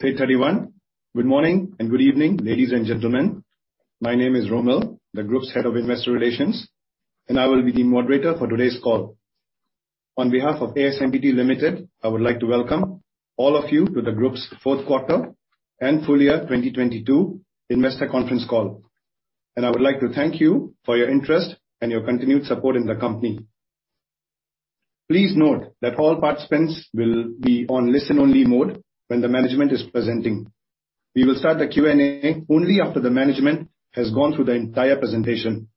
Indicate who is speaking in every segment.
Speaker 1: 8:31. Good morning and good evening, ladies and gentlemen. My name is Romil, the group's Head of Investor Relations, and I will be the moderator for today's call. On behalf of ASMPT Limited, I would like to welcome all of you to the group's fourth quarter and full year 2022 investor conference call. I would like to thank you for your interest and your continued support in the company. Please note that all participants will be on listen-only mode when the management is presenting. We will start the Q&A only after the management has gone through the entire presentation.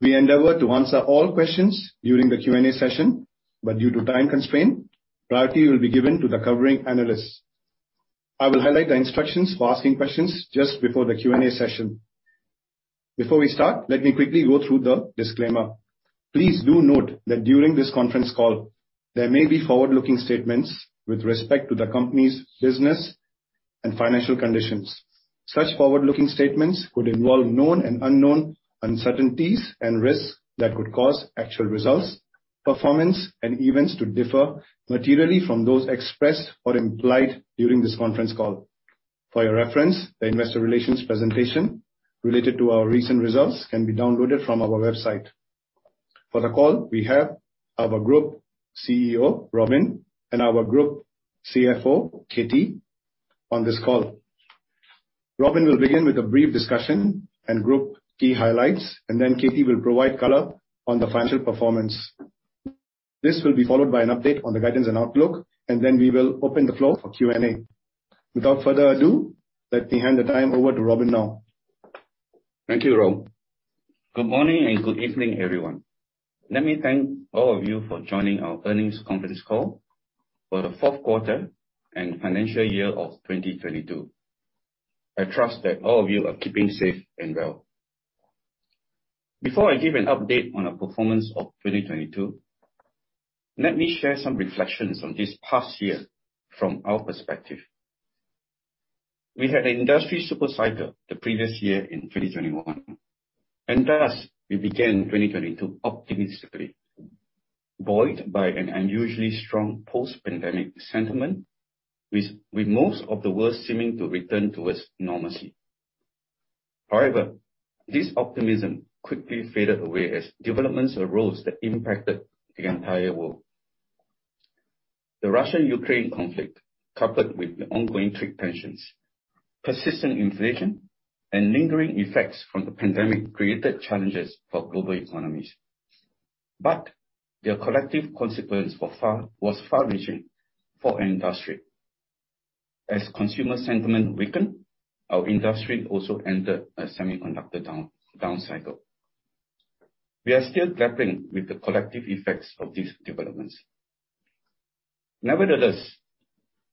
Speaker 1: We endeavor to answer all questions during the Q&A session, but due to time constraint, priority will be given to the covering analysts. I will highlight the instructions for asking questions just before the Q&A session. Before we start, let me quickly go through the disclaimer. Please do note that during this conference call, there may be forward-looking statements with respect to the company's business and financial conditions. Such forward-looking statements could involve known and unknown uncertainties and risks that could cause actual results, performance and events to differ materially from those expressed or implied during this conference call. For your reference, the investor relations presentation related to our recent results can be downloaded from our website. For the call, we have our Group CEO, Robin, and our Group CFO, Katie, on this call. Robin will begin with a brief discussion and group key highlights, then Katie will provide color on the financial performance. This will be followed by an update on the guidance and outlook, then we will open the floor for Q&A. Without further ado, let me hand the time over to Robin now.
Speaker 2: Thank you, Rom. Good morning and good evening, everyone. Let me thank all of you for joining our earnings conference call for the fourth quarter and financial year of 2022. I trust that all of you are keeping safe and well. Before I give an update on our performance of 2022, let me share some reflections on this past year from our perspective. We had an industry super cycle the previous year in 2021. Thus, we began 2022 optimistically, buoyed by an unusually strong post-pandemic sentiment with most of the world seeming to return towards normalcy. However, this optimism quickly faded away as developments arose that impacted the entire world. The Russian-Ukraine conflict, coupled with the ongoing trade tensions, persistent inflation and lingering effects from the pandemic, created challenges for global economies. Their collective consequence was far-reaching for our industry. As consumer sentiment weakened, our industry also entered a semiconductor down cycle. We are still grappling with the collective effects of these developments. Nevertheless,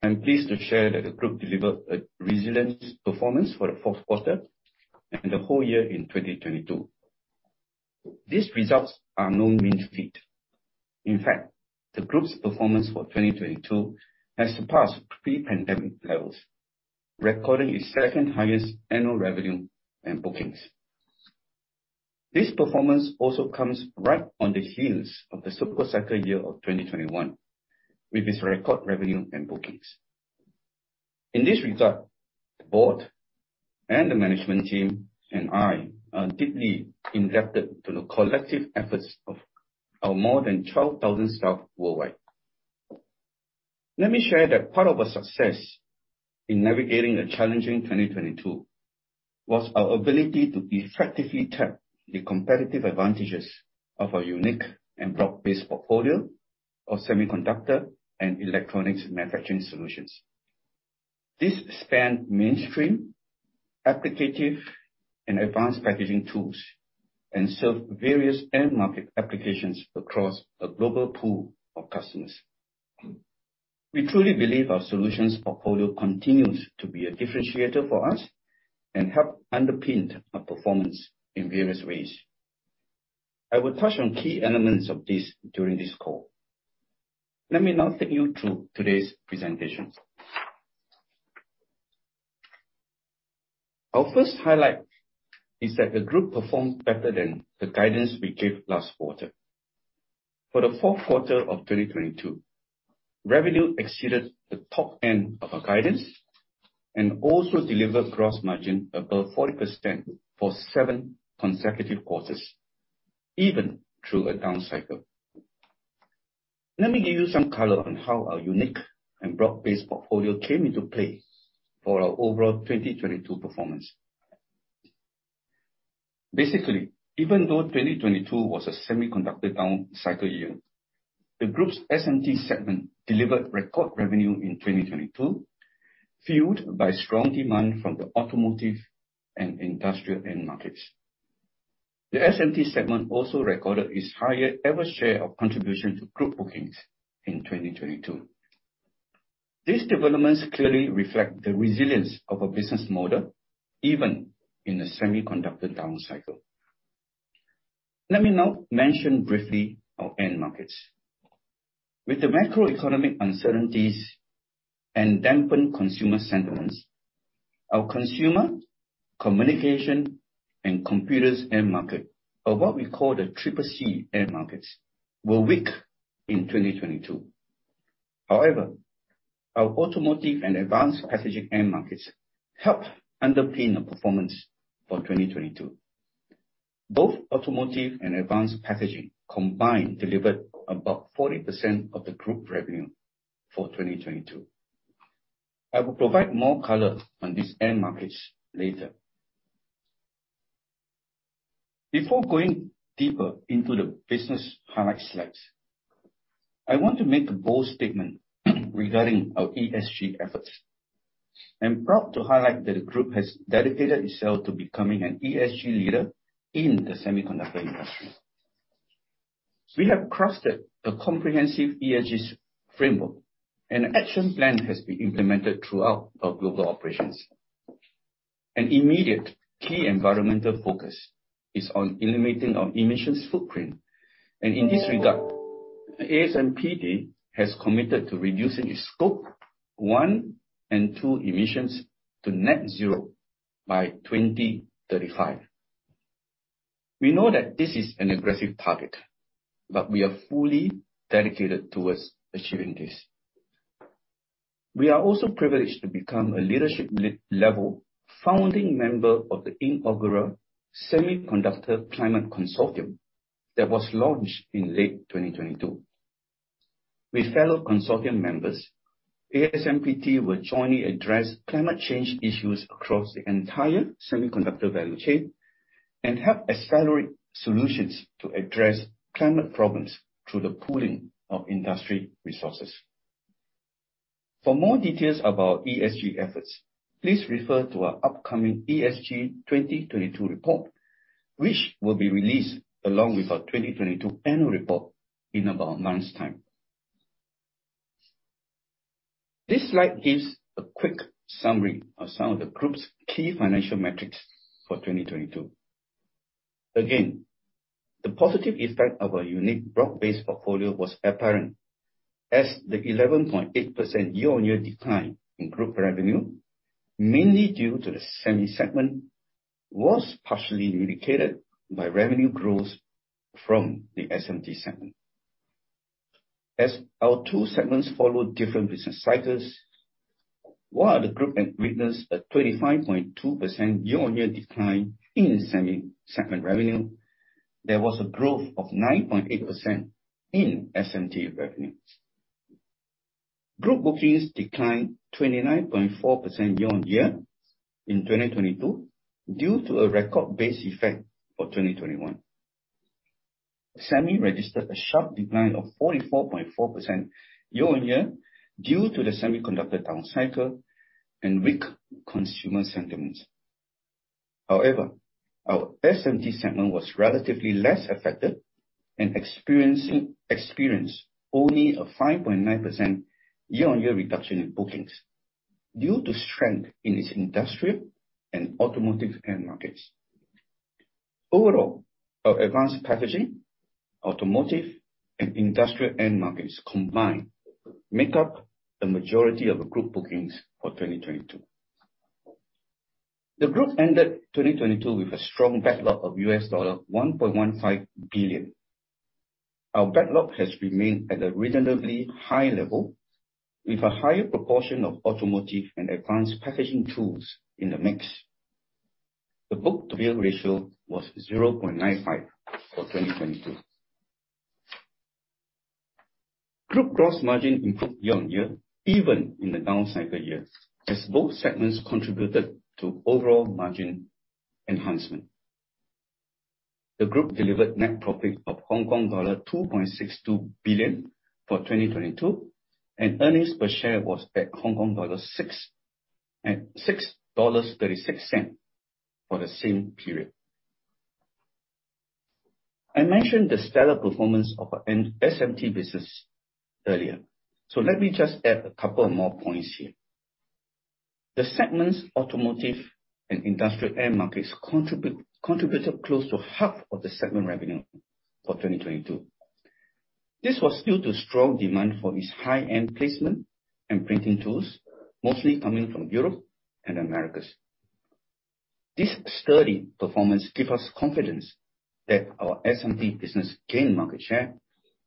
Speaker 2: I'm pleased to share that the group delivered a resilient performance for the fourth quarter and the whole year in 2022. These results are no mean feat. In fact, the group's performance for 2022 has surpassed pre-pandemic levels, recording its second-highest annual revenue and bookings. This performance also comes right on the heels of the super cycle year of 2021, with its record revenue and bookings. In this regard, the board and the management team and I are deeply indebted to the collective efforts of our more than 12,000 staff worldwide. Let me share that part of our success in navigating a challenging 2022 was our ability to effectively tap the competitive advantages of our unique and broad-based portfolio of semiconductor and electronics manufacturing solutions. This spanned mainstream applicative and advanced packaging tools and served various end market applications across a global pool of customers. We truly believe our solutions portfolio continues to be a differentiator for us and help underpin our performance in various ways. I will touch on key elements of this during this call. Let me now take you through today's presentation. Our first highlight is that the group performed better than the guidance we gave last quarter. For the fourth quarter of 2022, revenue exceeded the top end of our guidance and also delivered gross margin above 40% for seven consecutive quarters, even through a down cycle. Let me give you some color on how our unique and broad-based portfolio came into play for our overall 2022 performance. Basically, even though 2022 was a semiconductor down cycle year, the group's SMT segment delivered record revenue in 2022, fueled by strong demand from the automotive and industrial end markets. The SMT segment also recorded its highest ever share of contribution to group bookings in 2022. These developments clearly reflect the resilience of our business model, even in the semiconductor down cycle. Let me now mention briefly our end markets. With the macroeconomic uncertainties and dampened consumer sentiments. Our Consumer, Communication, and Computers end markets are what we call the CCC end markets, were weak in 2022. However, our automotive and advanced packaging end markets helped underpin the performance for 2022. Both automotive and advanced packaging combined delivered about 40% of the group revenue for 2022. I will provide more color on these end markets later. Before going deeper into the business highlight slides, I want to make a bold statement regarding our ESG efforts. I'm proud to highlight that the group has dedicated itself to becoming an ESG leader in the semiconductor industry. We have crafted a comprehensive ESG framework and an action plan has been implemented throughout our global operations. An immediate key environmental focus is on eliminating our emissions footprint. In this regard, ASMPT has committed to reducing its Scope 1 and 2 emissions to net zero by 2035. We know that this is an aggressive target, we are fully dedicated towards achieving this. We are also privileged to become a leadership level, founding member of the inaugural Semiconductor Climate Consortium that was launched in late 2022. With fellow consortium members, ASMPT will jointly address climate change issues across the entire semiconductor value chain and help accelerate solutions to address climate problems through the pooling of industry resources. For more details about ESG efforts, please refer to our upcoming ESG 2022 report, which will be released along with our 2022 annual report in about a month's time. This slide gives a quick summary of some of the group's key financial metrics for 2022. The positive impact of our unique broad-based portfolio was apparent as the 11.8% year-on-year decline in group revenue, mainly due to the SEMI segment, was partially mitigated by revenue growth from the SMT segment. As our two segments follow different business cycles, while the group had witnessed a 25.2% year-on-year decline in SEMI segment revenue, there was a growth of 9.8% in SMT revenues. Group bookings declined 29.4% year-on-year in 2022 due to a record base effect for 2021. SEMI registered a sharp decline of 44.4% year-on-year due to the semiconductor down cycle and weak consumer sentiments. However, our SMT segment was relatively less affected and experienced only a 5.9% year-on-year reduction in bookings due to strength in its industrial and automotive end markets. Overall, our advanced packaging, automotive, and industrial end markets combined make up the majority of the group bookings for 2022. The group ended 2022 with a strong backlog of $1.15 billion. Our backlog has remained at a reasonably high level with a higher proportion of automotive and advanced packaging tools in the mix. The book-to-bill ratio was 0.95 for 2022. Group gross margin improved year-on-year, even in the down cycle years, as both segments contributed to overall margin enhancement. The group delivered net profit of Hong Kong dollar 2.62 billion for 2022, and earnings per share was at 6.36 dollars for the same period. I mentioned the stellar performance of our end SMT business earlier, let me just add a couple more points here. The segment's automotive and industrial end markets contributed close to half of the segment revenue for 2022. This was due to strong demand for its high-end placement and printing tools, mostly coming from Europe and Americas. This sturdy performance give us confidence that our SMT business gain market share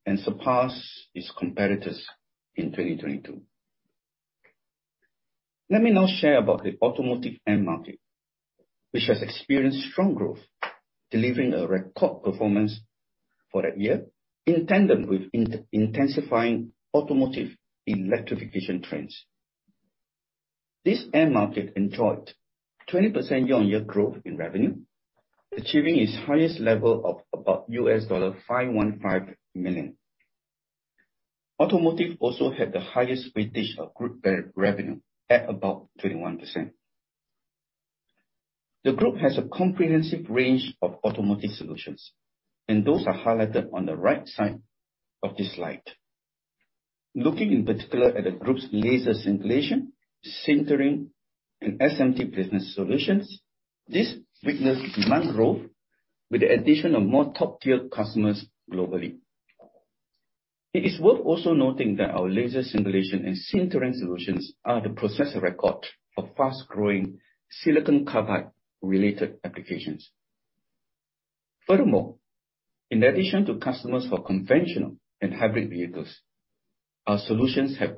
Speaker 2: and surpass its competitors in 2022. Let me now share about the automotive end market, which has experienced strong growth, delivering a record performance for that year in tandem with intensifying automotive electrification trends. This end market enjoyed 20% year-on-year growth in revenue, achieving its highest level of about $515 million. Automotive also had the highest weightage of group re-revenue at about 21%. The group has a comprehensive range of automotive solutions and those are highlighted on the right side of this slide. Looking in particular at the group's laser singulation, sintering, and SMT business solutions, this witnessed demand growth with the addition of more top-tier customers globally. It is worth also noting that our laser singulation and sintering solutions are the Process of Record for fast-growing silicon carbide-related applications. Furthermore, in addition to customers for conventional and hybrid vehicles, our solutions have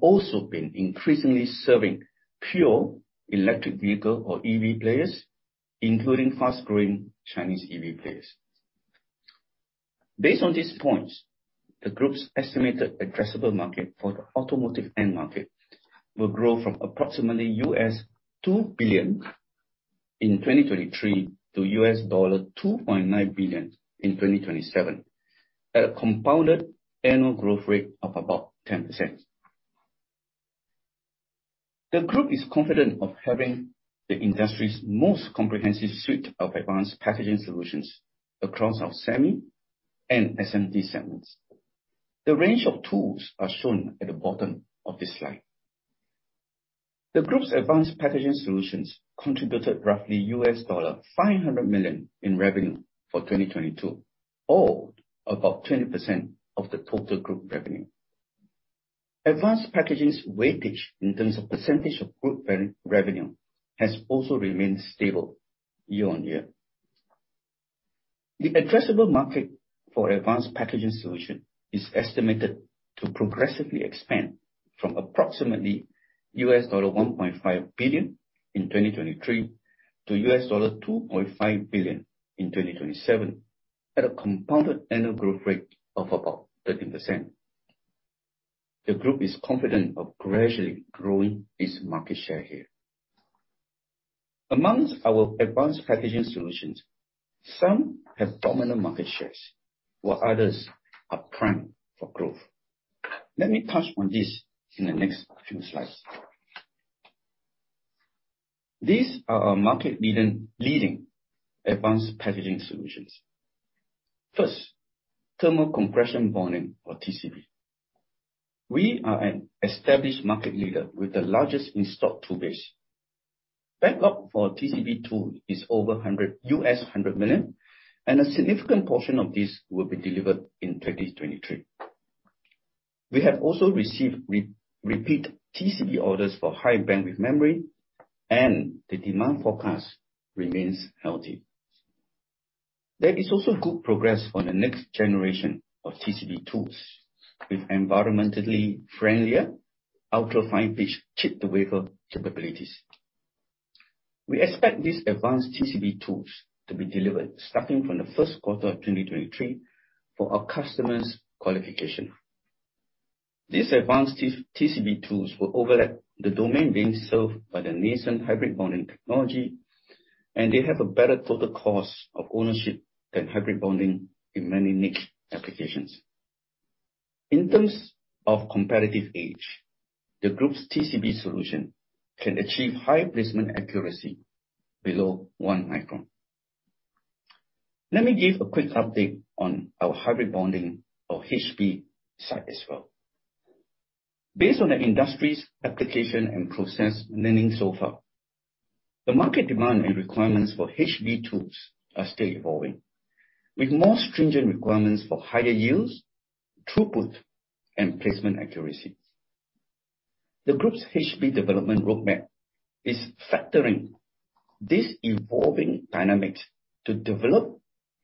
Speaker 2: also been increasingly serving pure electric vehicle or EV players, including fast-growing Chinese EV players. Based on these points, the group's estimated addressable market for the automotive end market will grow from approximately $2 billion in 2023 to $2.9 billion in 2027 at a compounded annual growth rate of about 10%. The group is confident of having the industry's most comprehensive suite of advanced packaging solutions across our SEMI and SMT segments. The range of tools are shown at the bottom of this slide. The group's advanced packaging solutions contributed roughly $500 million in revenue for 2022, or about 20% of the total group revenue. Advanced packaging's weightage in terms of percentage of group re-revenue has also remained stable year-on-year. The addressable market for advanced packaging solution is estimated to progressively expand from approximately $1.5 billion in 2023 to $2.5 billion in 2027 at a compounded annual growth rate of about 13%. The group is confident of gradually growing its market share here. Amongst our advanced packaging solutions, some have dominant market shares, while others are primed for growth. Let me touch on this in the next few slides. These are our market leading advanced packaging solutions. First, Thermo-Compression Bonding, or TCB. We are an established market leader with the largest in-stock tool base. Backup for TCB tool is over $100 million, a significant portion of this will be delivered in 2023. We have also received repeat TCB orders for High Bandwidth Memory, the demand forecast remains healthy. There is also good progress on the next generation of TCB tools with environmentally friendlier ultra-fine pitch chip-to-wafer capabilities. We expect these advanced TCB tools to be delivered starting from the first quarter of 2023 for our customers' qualification. These advanced T-TCB tools will overlap the domain being served by the nascent hybrid bonding technology, and they have a better total cost of ownership than hybrid bonding in many niche applications. In terms of competitive edge, the group's TCB solution can achieve high placement accuracy below one micron. Let me give a quick update on our hybrid bonding or HB side as well. Based on the industry's application and process learning so far, the market demand and requirements for HB tools are still evolving, with more stringent requirements for higher yields, throughput, and placement accuracy. The group's HB development roadmap is factoring these evolving dynamics to develop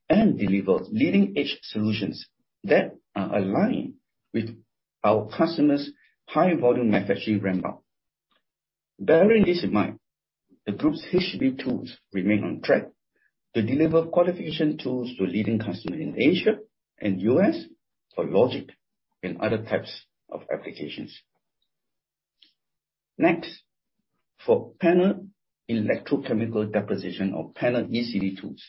Speaker 2: and deliver leading-edge solutions that are aligned with our customers' high-volume manufacturing ramp-up. Bearing this in mind, the group's HB tools remain on track to deliver qualification tools to leading customers in Asia and U.S. for logic and other types of applications. Next, for Panel Electrochemical Deposition or panel ECD tools.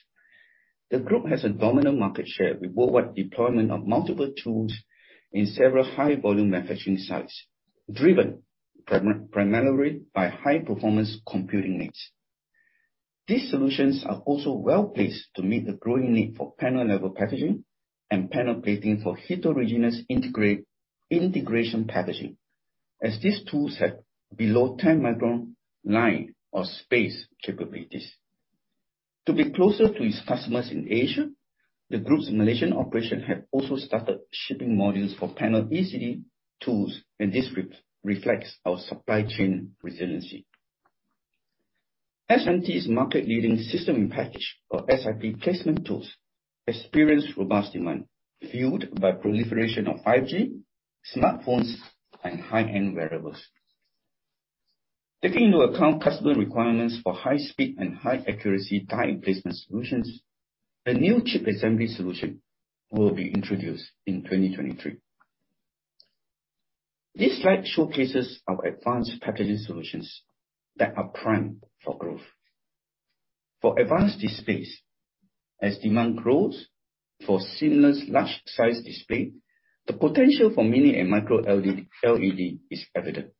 Speaker 2: The group has a dominant market share with worldwide deployment of multiple tools in several high-volume manufacturing sites, driven primarily by High-Performance Computing needs. These solutions are also well-placed to meet the growing need for panel-level packaging and panel plating for heterogeneous integration packaging, as these tools have below 10-micron line or space capabilities. To be closer to its customers in Asia, the group's Malaysian operation have also started shipping modules for panel ECD tools, and this reflects our supply chain resiliency. SMT's market-leading system-in-package or SIP placement tools experience robust demand fueled by proliferation of 5G, smartphones, and high-end wearables. Taking into account customer requirements for high-speed and high-accuracy die placement solutions, the new chip assembly solution will be introduced in 2023. This slide showcases our advanced packaging solutions that are primed for growth. For advanced displays, as demand grows for seamless large size display, the potential for Mini LED and Micro LED is evident.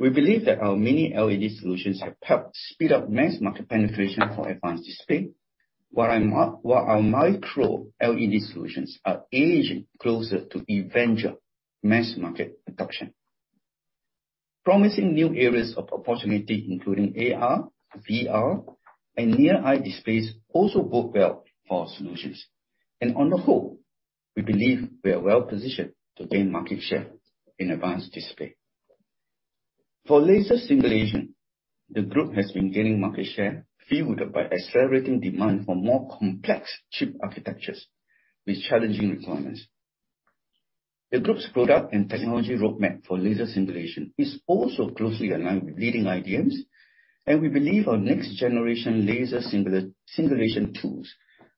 Speaker 2: We believe that our Mini LED solutions have helped speed up mass market penetration for advanced display, while our Micro LED solutions are aging closer to eventual mass market adoption. Promising new areas of opportunity, including AR, VR, and near-eye displays also bode well for our solutions. On the whole, we believe we are well positioned to gain market share in advanced display. For laser simulation, the group has been gaining market share, fueled by accelerating demand for more complex chip architectures with challenging requirements. The group's product and technology roadmap for laser simulation is also closely aligned with leading IDMs, and we believe our next generation laser simulation tools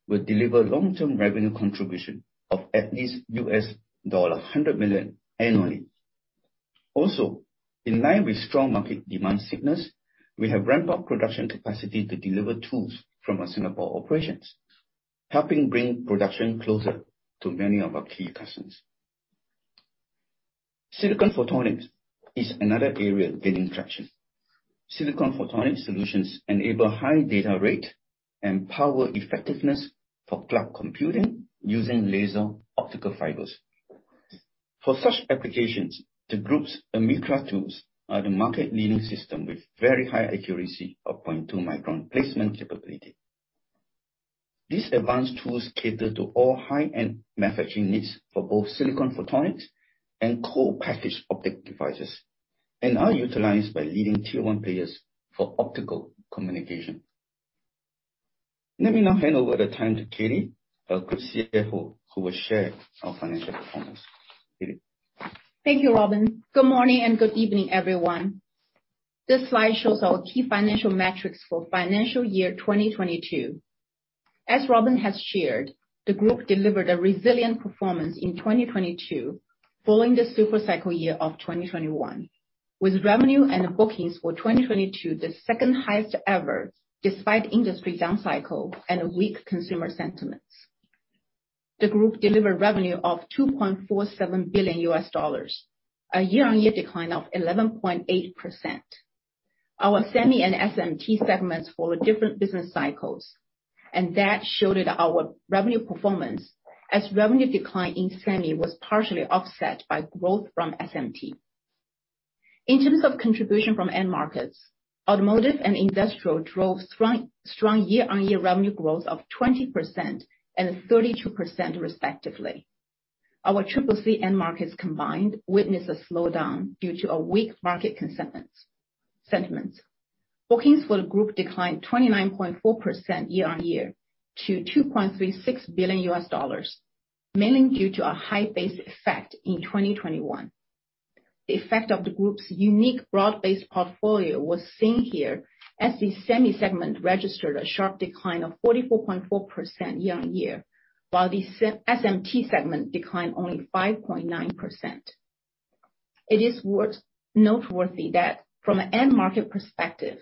Speaker 2: will deliver long-term revenue contribution of at least $100 million annually. In line with strong market demand signals, we have ramped up production capacity to deliver tools from our Singapore operations, helping bring production closer to many of our key customers. Silicon Photonics is another area gaining traction. Silicon Photonics solutions enable high data rate and power effectiveness for cloud computing using laser optical fibers. For such applications, the group's AMICRA tools are the market leading system with very high accuracy of 0.2 micron placement capability. These advanced tools cater to all high-end manufacturing needs for both Silicon Photonics and co-packaged optics devices, are utilized by leading tier one players for optical communication. Let me now hand over the time to Katie, our Group CFO, who will share our financial performance. Katie?
Speaker 3: Thank you, Robin. Good morning and good evening, everyone. This slide shows our key financial metrics for financial year 2022. As Robin has shared, the group delivered a resilient performance in 2022, following the super cycle year of 2021, with revenue and bookings for 2022, the second-highest ever, despite industry down cycle and weak consumer sentiments. The group delivered revenue of $2.47 billion, a year-on-year decline of 11.8%. Our Semi and SMT segments follow different business cycles, that shielded our revenue performance as revenue decline in Semi was partially offset by growth from SMT. In terms of contribution from end markets, automotive and industrial drove strong year-on-year revenue growth of 20% and 32% respectively. Our CCC end markets combined witnessed a slowdown due to a weak market sentiment. Bookings for the group declined 29.4% year-on-year to $2.36 billion, mainly due to a high base effect in 2021. The effect of the group's unique broad-based portfolio was seen here as the Semi segment registered a sharp decline of 44.4% year-on-year, while the SMT segment declined only 5.9%. It is noteworthy that from an end market perspective,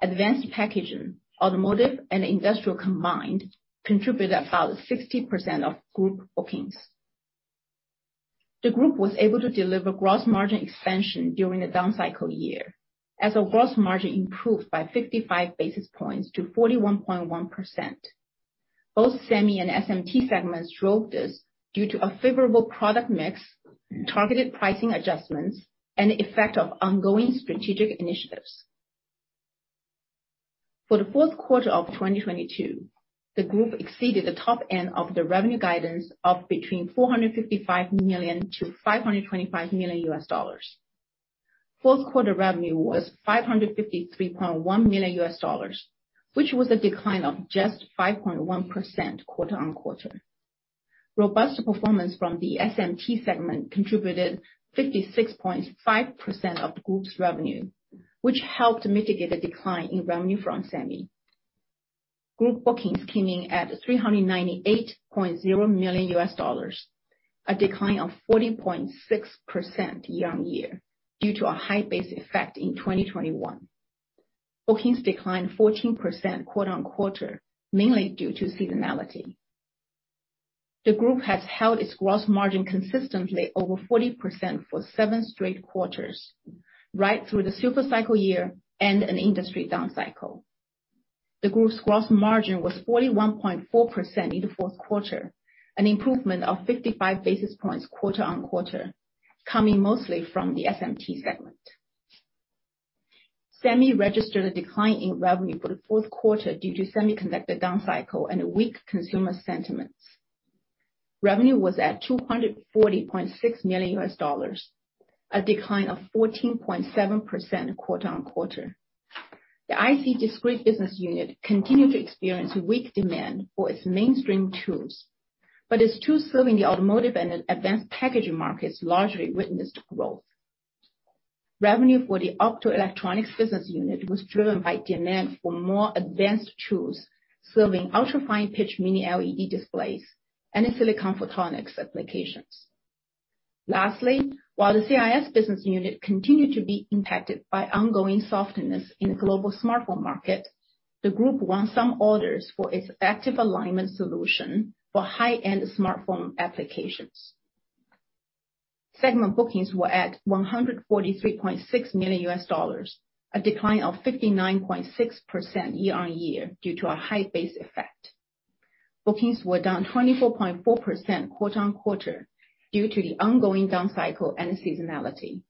Speaker 3: advanced packaging, automotive and industrial combined contributed about 60% of group bookings. The group was able to deliver gross margin expansion during the down cycle year as our gross margin improved by 55 basis points to 41.1%. Both Semi and SMT segments drove this due to a favorable product mix, targeted pricing adjustments, and the effect of ongoing strategic initiatives. For the fourth quarter of 2022, the group exceeded the top end of the revenue guidance of between $455 million-$525 million. Fourth quarter revenue was $553.1 million, which was a decline of just 5.1% quarter-on-quarter. Robust performance from the SMT segment contributed 56.5% of the group's revenue, which helped mitigate a decline in revenue from SEMI. Group bookings came in at $398.0 million, a decline of 14.6% year-on-year due to a high base effect in 2021. Bookings declined 14% quarter-on-quarter, mainly due to seasonality. The group has held its gross margin consistently over 40% for seven straight quarters, right through the super cycle year and an industry down cycle. The group's gross margin was 41.4% in the fourth quarter, an improvement of 55 basis points quarter-on-quarter, coming mostly from the SMT segment. SEMI registered a decline in revenue for the fourth quarter due to semiconductor down cycle and weak consumer sentiments. Revenue was at $240.6 million, a decline of 14.7% quarter-on-quarter. The IC & Discrete business unit continued to experience weak demand for its mainstream tools, but its tools serving the automotive and advanced packaging markets largely witnessed growth. Revenue for the optoelectronics business unit was driven by demand for more advanced tools, serving ultra-fine pitch Mini LED displays and in silicon photonics applications. Lastly, while the CIS business unit continued to be impacted by ongoing softness in the global smartphone market, the group won some orders for its active alignment solution for high-end smartphone applications. Segment bookings were at $143.6 million, a decline of 59.6% year-on-year due to a high base effect. Bookings were down 24.4% quarter-on-quarter due to the ongoing down cycle and seasonality.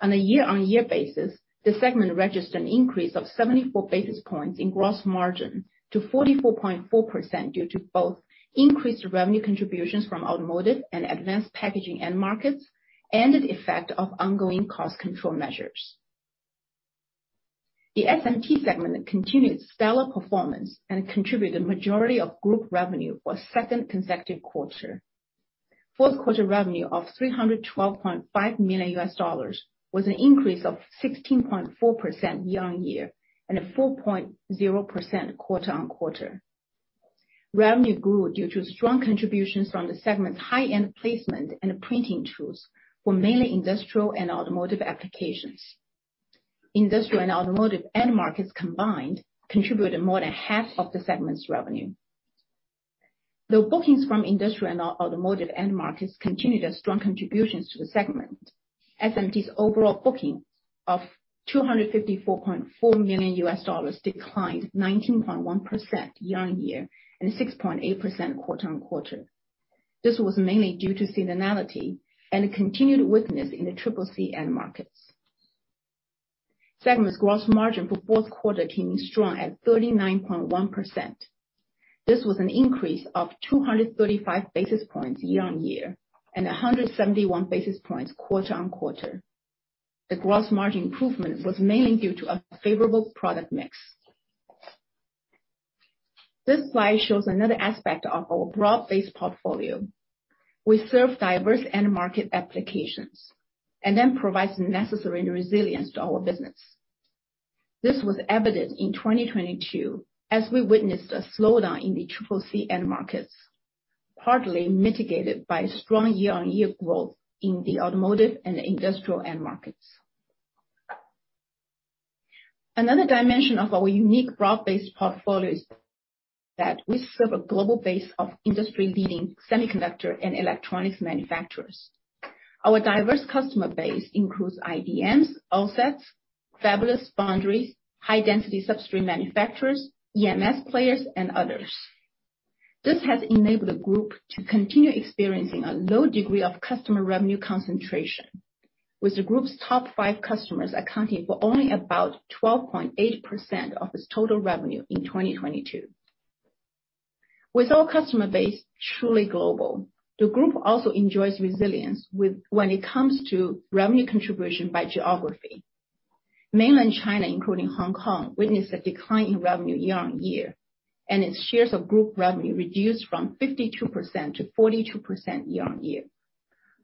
Speaker 3: On a year-on-year basis, the segment registered an increase of 74 basis points in gross margin to 44.4% due to both increased revenue contributions from automotive and advanced packaging end markets and the effect of ongoing cost control measures. The SMT segment continued stellar performance and contributed the majority of group revenue for a second consecutive quarter. Fourth quarter revenue of $312.5 million was an increase of 16.4% year-on-year and a 4.0% quarter-on-quarter. Revenue grew due to strong contributions from the segment's high-end placement and printing tools for mainly industrial and automotive applications. Industrial and automotive end markets combined contributed more than half of the segment's revenue. The bookings from industrial and automotive end markets continued a strong contributions to the segment. SMT's overall bookings of $254.4 million declined 19.1% year-on-year and 6.8% quarter-on-quarter. This was mainly due to seasonality and a continued weakness in the triple C end markets. Segment's gross margin for fourth quarter came in strong at 39.1%. This was an increase of 235 basis points year-on-year and 171 basis points quarter-on-quarter. The gross margin improvement was mainly due to a favorable product mix. This slide shows another aspect of our broad-based portfolio. We serve diverse end market applications and then provides necessary resilience to our business. This was evident in 2022 as we witnessed a slowdown in the CCC end markets, partly mitigated by strong year-on-year growth in the automotive and industrial end markets. Another dimension of our unique broad-based portfolio is that we serve a global base of industry-leading semiconductor and electronics manufacturers. Our diverse customer base includes IDMs, OSATs, fabless foundries, high-density substrate manufacturers, EMS players, and others. This has enabled the group to continue experiencing a low degree of customer revenue concentration, with the group's top five customers accounting for only about 12.8% of its total revenue in 2022. With our customer base truly global, the group also enjoys resilience when it comes to revenue contribution by geography. Mainland China, including Hong Kong, witnessed a decline in revenue year-on-year, and its shares of group revenue reduced from 52%-42% year-on-year.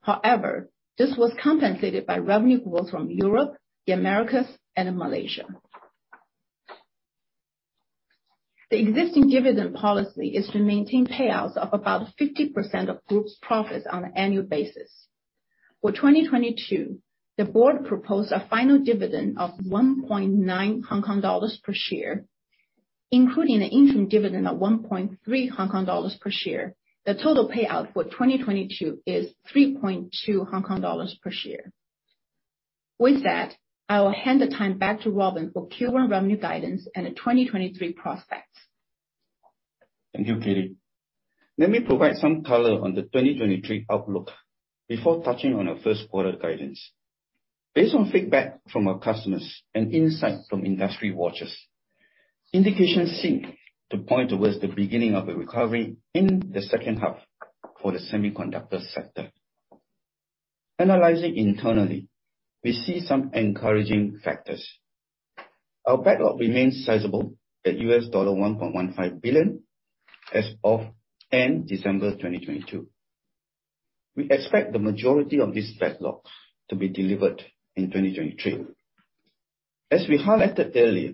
Speaker 3: However, this was compensated by revenue growth from Europe, the Americas, and Malaysia. The existing dividend policy is to maintain payouts of about 50% of group's profits on an annual basis. For 2022, the board proposed a final dividend of 1.9 Hong Kong dollars per share, including the interim dividend of 1.3 Hong Kong dollars per share. The total payout for 2022 is 3.2 Hong Kong dollars per share. With that, I will hand the time back to Robin for Q1 revenue guidance and the 2023 prospects.
Speaker 2: Thank you, Katie. Let me provide some color on the 2023 outlook before touching on our first quarter guidance. Based on feedback from our customers and insight from industry watchers, indications seek to point towards the beginning of a recovery in the second half for the semiconductor sector. Analyzing internally, we see some encouraging factors. Our backlog remains sizable at $1.15 billion as of end December 2022. We expect the majority of this backlog to be delivered in 2023. As we highlighted earlier,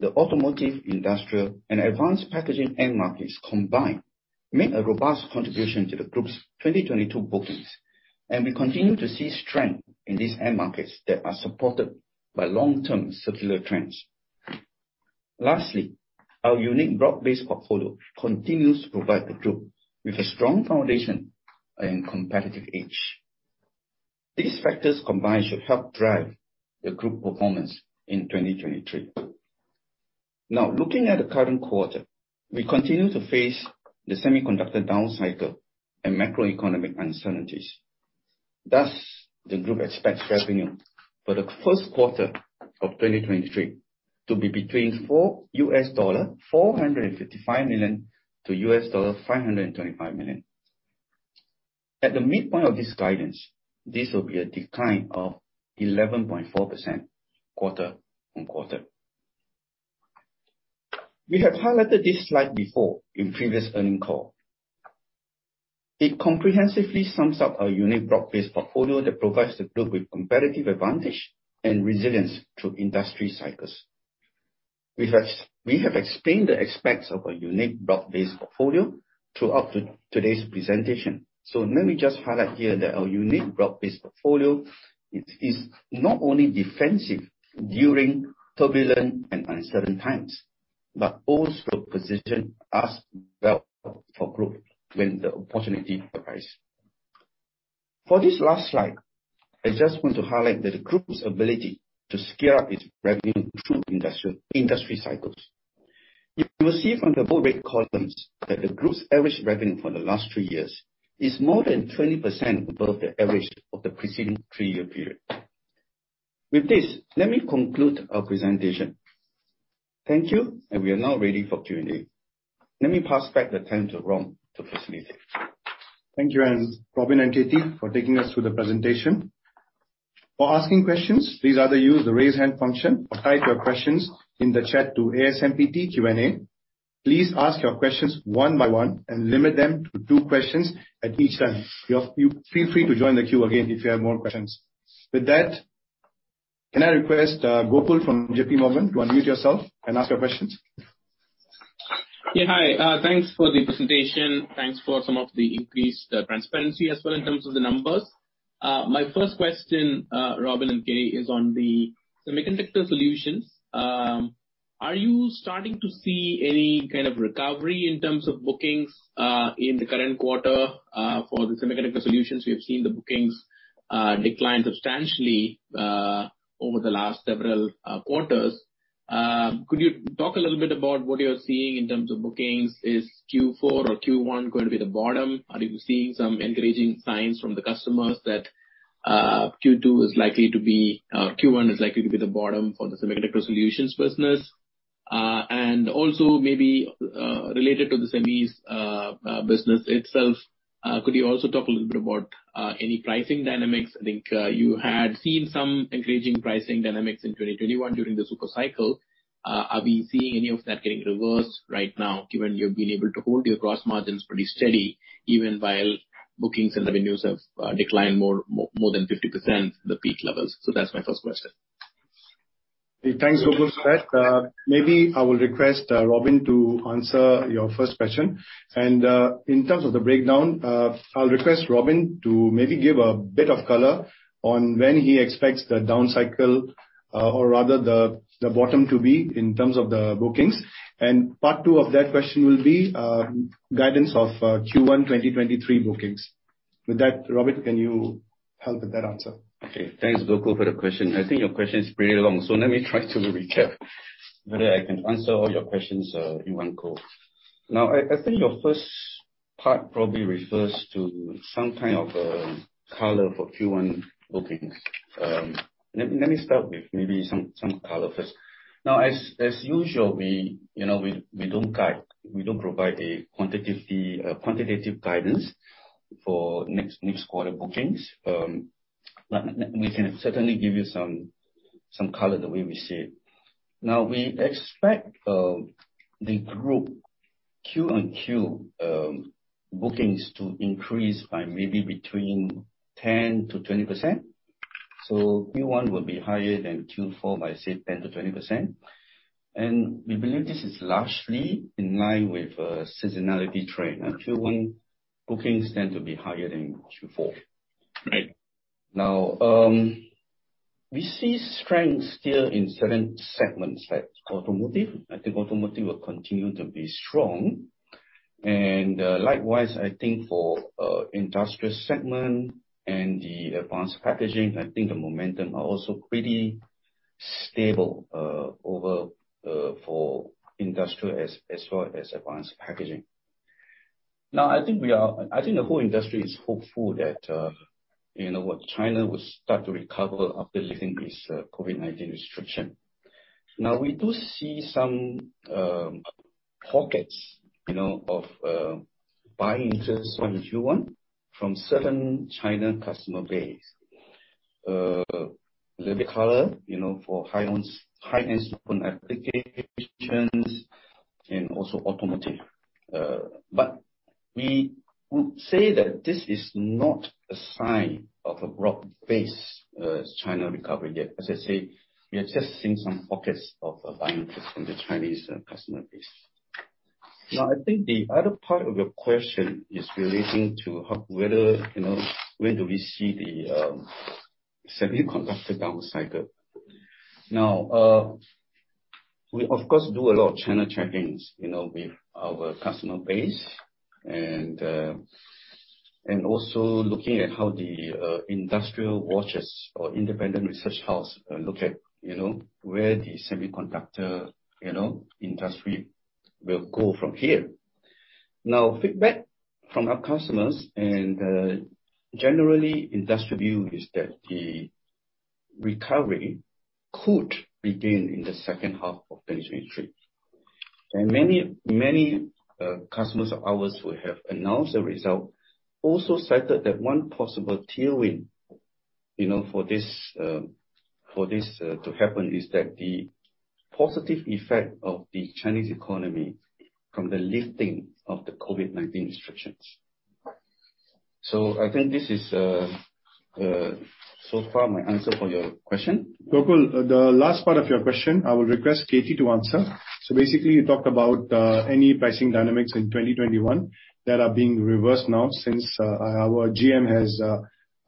Speaker 2: the automotive, industrial, and advanced packaging end markets combined make a robust contribution to the group's 2022 bookings, and we continue to see strength in these end markets that are supported by long-term secular trends. Lastly, our unique broad-based portfolio continues to provide the group with a strong foundation and competitive edge. These factors combined should help drive the group performance in 2023. Looking at the current quarter, we continue to face the semiconductor down cycle and macroeconomic uncertainties. The group expects revenue for the first quarter of 2023 to be between $455 million-$525 million. At the midpoint of this guidance, this will be a decline of 11.4% quarter-over-quarter. We have highlighted this slide before in previous earnings call. It comprehensively sums up our unique broad-based portfolio that provides the group with competitive advantage and resilience to industry cycles. We have explained the aspects of our unique broad-based portfolio throughout today's presentation, so let me just highlight here that our unique broad-based portfolio is not only defensive during turbulent and uncertain times, but also position us well for growth when the opportunity arrives. For this last slide, I just want to highlight that the group's ability to scale up its revenue through industry cycles. You will see from the bold red columns that the group's average revenue for the last three years is more than 20% above the average of the preceding three year period. With this, let me conclude our presentation. Thank you, and we are now ready for Q&A. Let me pass back the time to Rom to facilitate.
Speaker 1: Thank you, Robin and Katie, for taking us through the presentation. For asking questions, please either use the Raise Hand function or type your questions in the chat to ASMPT Q&A. Please ask your questions one by one and limit them to two questions at each time. Feel free to join the queue again if you have more questions. With that, can I request Gokul from JPMorgan to unmute yourself and ask your questions?
Speaker 4: Yeah. Hi. Thanks for the presentation. Thanks for some of the increased transparency as well in terms of the numbers. My first question, Robin and Katie, is on the Semiconductor Solutions. Are you starting to see any kind of recovery in terms of bookings in the current quarter for the Semiconductor Solutions? We have seen the bookings decline substantially over the last several quarters. Could you talk a little bit about what you're seeing in terms of bookings? Is Q4 or Q1 going to be the bottom? Are you seeing some encouraging signs from the customers that Q1 is likely to be the bottom for the Semiconductor Solutions business? Also maybe, related to the SEMI business itself, could you also talk a little bit about any pricing dynamics? I think, you had seen some encouraging pricing dynamics in 2021 during the super cycle. Are we seeing any of that getting reversed right now, given you've been able to hold your gross margins pretty steady, even while bookings and revenues have declined more than 50% the peak levels? That's my first question.
Speaker 1: Thanks, Gokul, for that. Maybe I will request Robin to answer your first question. In terms of the breakdown, I'll request Robin to maybe give a bit of color on when he expects the down cycle, or rather the bottom to be in terms of the bookings. Part two of that question will be guidance of Q1 2023 bookings. With that, Robin, can you help with that answer?
Speaker 2: Okay. Thanks, Gokul, for the question. I think your question is pretty long, so let me try to recap, whether I can answer all your questions in one go. Now, I think your first part probably refers to some kind of color for Q1 bookings. Let me start with maybe some color first. Now, as usual, we, you know, we don't guide. We don't provide a quantitative guidance for next quarter bookings. But we can certainly give you some color the way we see it. Now, we expect the group Q-on-Q bookings to increase by maybe between 10%-20%. So Q1 will be higher than Q4 by, say, 10%-20%. We believe this is largely in line with a seasonality trend. Q1 bookings tend to be higher than Q4.
Speaker 4: Right.
Speaker 2: Now, we see strength still in certain segments, like automotive. I think automotive will continue to be strong. Likewise, I think for industrial segment and the advanced packaging, I think the momentum are also pretty stable over for industrial as well as advanced packaging. Now, I think the whole industry is hopeful that, you know, China will start to recover after lifting its COVID-19 restriction. We do see some pockets, you know, of buying interest from Q1 from certain China customer base. A little bit color, you know, for high ends, high-end applications and also automotive. But we would say that this is not a sign of a broad-based China recovery yet. As I said, we are just seeing some pockets of buying interest from the Chinese customer base. I think the other part of your question is relating to whether, you know, when do we see the semiconductor down cycle. We of course do a lot of China check-ins, you know, with our customer base and also looking at how the industrial watches or independent research house look at, you know, where the semiconductor, you know, industry will go from here. Feedback from our customers and generally industry view is that the recovery could begin in the second half of 2023. Many customers of ours who have announced the result also cited that one possible tailwind, you know, for this, for this to happen is that the positive effect of the Chinese economy from the lifting of the COVID-19 restrictions. I think this is so far my answer for your question.
Speaker 1: Gokul, the last part of your question, I will request Katie to answer. Basically, you talked about any pricing dynamics in 2021 that are being reversed now since our GM has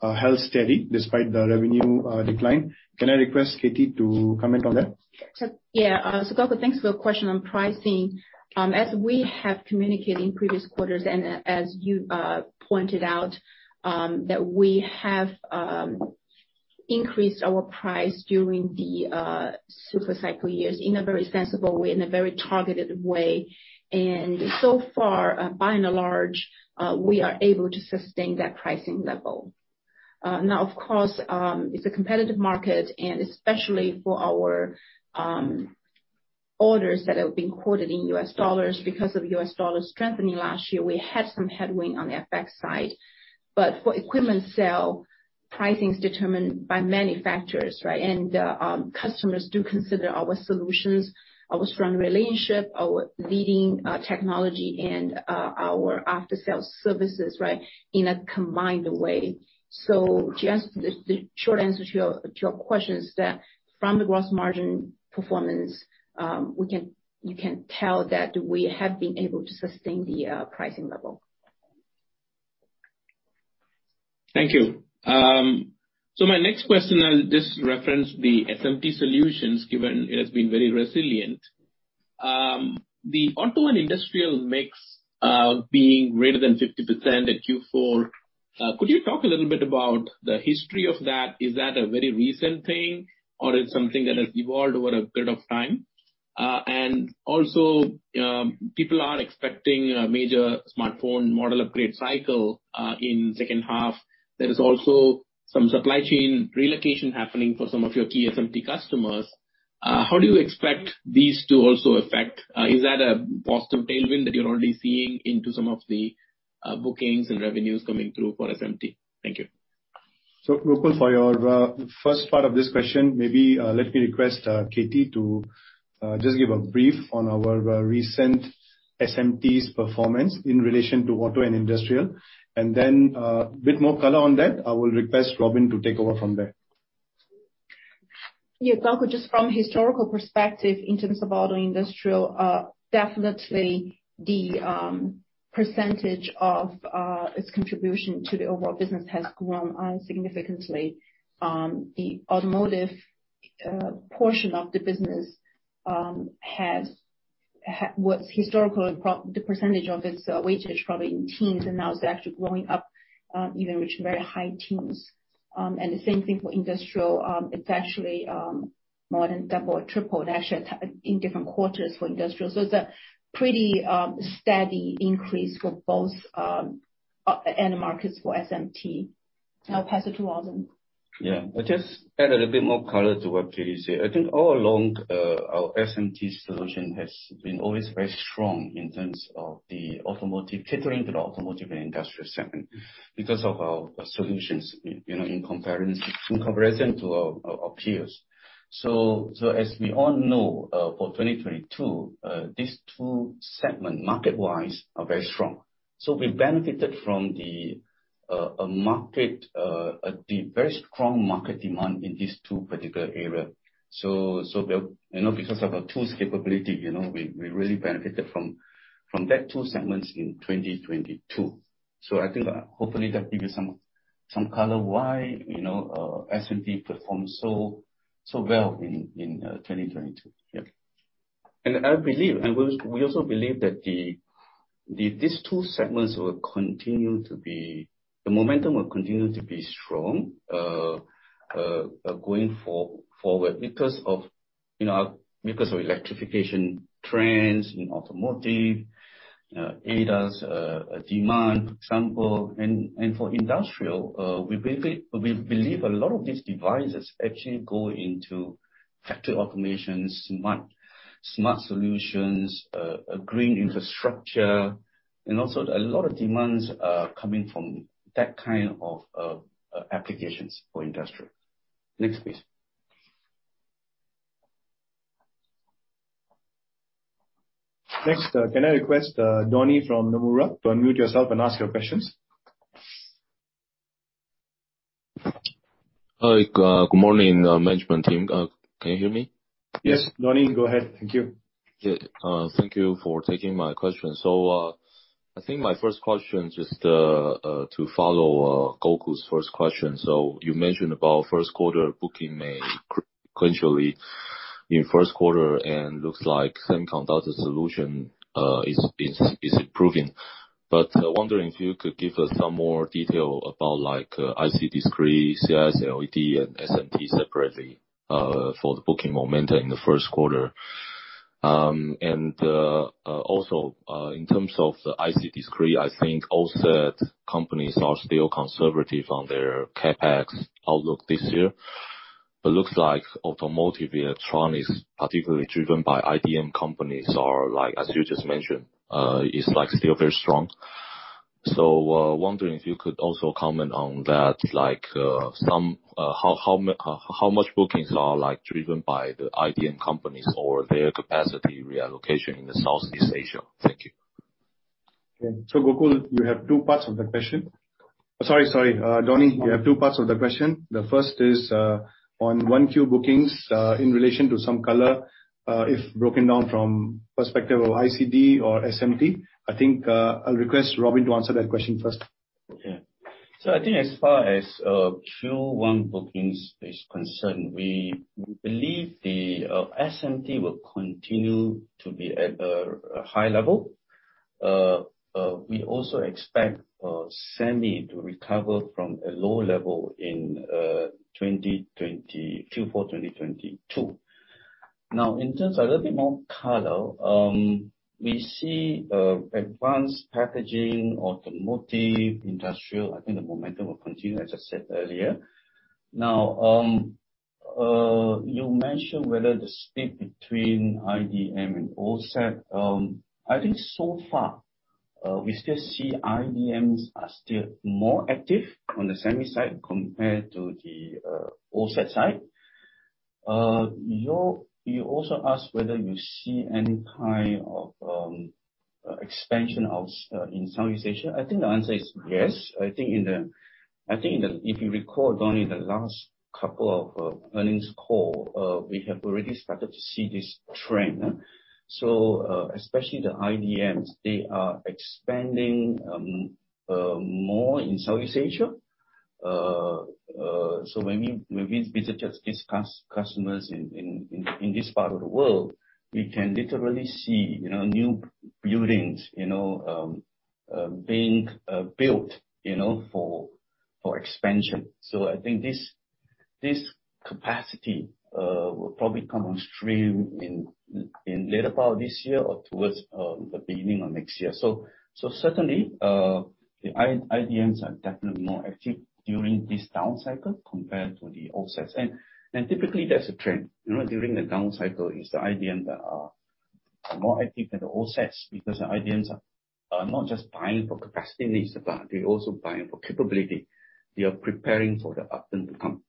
Speaker 1: held steady despite the revenue decline. Can I request Katie to comment on that?
Speaker 3: Yeah, Gokul, thanks for your question on pricing. As we have communicated in previous quarters and as you pointed out, that we have Increased our price during the super cycle years in a very sensible way, in a very targeted way. So far, by and large, we are able to sustain that pricing level. Now, of course, it's a competitive market, and especially for our orders that have been quoted in U.S. dollars. Because of US dollar strengthening last year, we had some headwind on the FX side. For equipment sale, pricing is determined by many factors, right? Customers do consider our solutions, our strong relationship, our leading technology, and our after-sales services, right, in a combined way. Just the short answer to your, to your question is that from the gross margin performance, you can tell that we have been able to sustain the pricing level.
Speaker 4: My next question, I'll just reference the SMT Solutions, given it has been very resilient. The auto and industrial mix, being greater than 50% at Q4, could you talk a little bit about the history of that? Is that a very recent thing, or it's something that has evolved over a period of time? People are expecting a major smartphone model upgrade cycle in second half. There is also some supply chain relocation happening for some of your key SMT customers. How do you expect these to also affect? Is that a positive tailwind that you're already seeing into some of the bookings and revenues coming through for SMT? Thank you.
Speaker 1: Gokul, for your first part of this question, maybe, let me request Katie to just give a brief on our recent SMT's performance in relation to auto and industrial. A bit more color on that, I will request Robin to take over from there.
Speaker 3: Yeah. Just from historical perspective in terms of auto industrial, definitely the percentage of its contribution to the overall business has grown significantly. The automotive portion of the business was historical, and the percentage of its weightage probably in teens and now it's actually going up, even reach very high teens. The same thing for industrial. It's actually more than double or triple. They're actually in different quarters for industrial. It's a pretty steady increase for both end markets for SMT. I'll pass it to Robin.
Speaker 2: I'll just add a little bit more color to what Katie said. I think all along, our SMT solution has been always very strong in terms of the automotive, catering to the automotive and industrial segment because of our solutions, you know, in comparison to our peers. As we all know, for 2022, these two segments market-wise are very strong. We benefited from the very strong market demand in these two particular areas. You know, because of our tools capability, you know, we really benefited from that two segments in 2022. I think, hopefully that give you some color why, you know, SMT performed so well in 2022. I believe, we also believe that these two segments. The momentum will continue to be strong, going forward because of, you know, because of electrification trends in automotive, ADAS demand, for example. For industrial, we believe a lot of these devices actually go into factory automation, smart solutions, green infrastructure, and also a lot of demands are coming from that kind of applications for industrial. Next, please.
Speaker 1: Next, can I request Donnie from Nomura to unmute yourself and ask your questions?
Speaker 5: Hi. Good morning, management team. Can you hear me?
Speaker 1: Yes, Donnie, go ahead. Thank you.
Speaker 5: Yeah. Thank you for taking my question. I think my first question just to follow Gokul's first question. You mentioned about first quarter booking may sequentially in first quarter and looks like semiconductor solution is improving. Wondering if you could give us some more detail about like IC & Discrete, CIS, LED, and SMT separately for the booking momentum in the first quarter. Also, in terms of the IC & Discrete, I think OSAT companies are still conservative on their CapEx outlook this year. Looks like automotive electron is particularly driven by IDM companies are like, as you just mentioned, is like still very strong. Wondering if you could also comment on that, like, some, how much bookings are like driven by the IDM companies or their capacity reallocation in the Southeast Asia. Thank you.
Speaker 1: Okay. Gokul, you have two parts of the question. Sorry. Donnie, you have two parts of the question. The first is on 1Q bookings, in relation to some color, if broken down from perspective of ICD or SMT. I think, I'll request Robin to answer that question first.
Speaker 2: Yeah. I think as far as Q1 bookings is concerned, we believe the SMT will continue to be at a high level. We also expect SEMI to recover from a low level in Q4 2022. In terms of a little bit more color, we see advanced packaging, automotive, industrial, I think the momentum will continue, as I said earlier. You mentioned whether the split between IDM and OSAT. I think so far, we still see IDMs are still more active on the SEMI side compared to the OSAT side. You also asked whether you see any kind of expansion out in Southeast Asia. I think the answer is yes. I think in the if you recall, Donnie, the last couple of earnings call, we have already started to see this trend. Especially the IDMs, they are expanding more in Southeast Asia. When we visit just these customers in this part of the world, we can literally see, you know, new buildings, you know, being built, you know, for expansion. I think this capacity will probably come on stream in later part of this year or towards the beginning of next year. Certainly, the IDMs are definitely more active during this down cycle compared to the OSATs. Typically that's a trend. You know, during the down cycle, it's the IDM that are more active than the OSATs because the IDMs are not just buying for capacity needs, but they're also buying for capability. They are preparing for the uptick to come.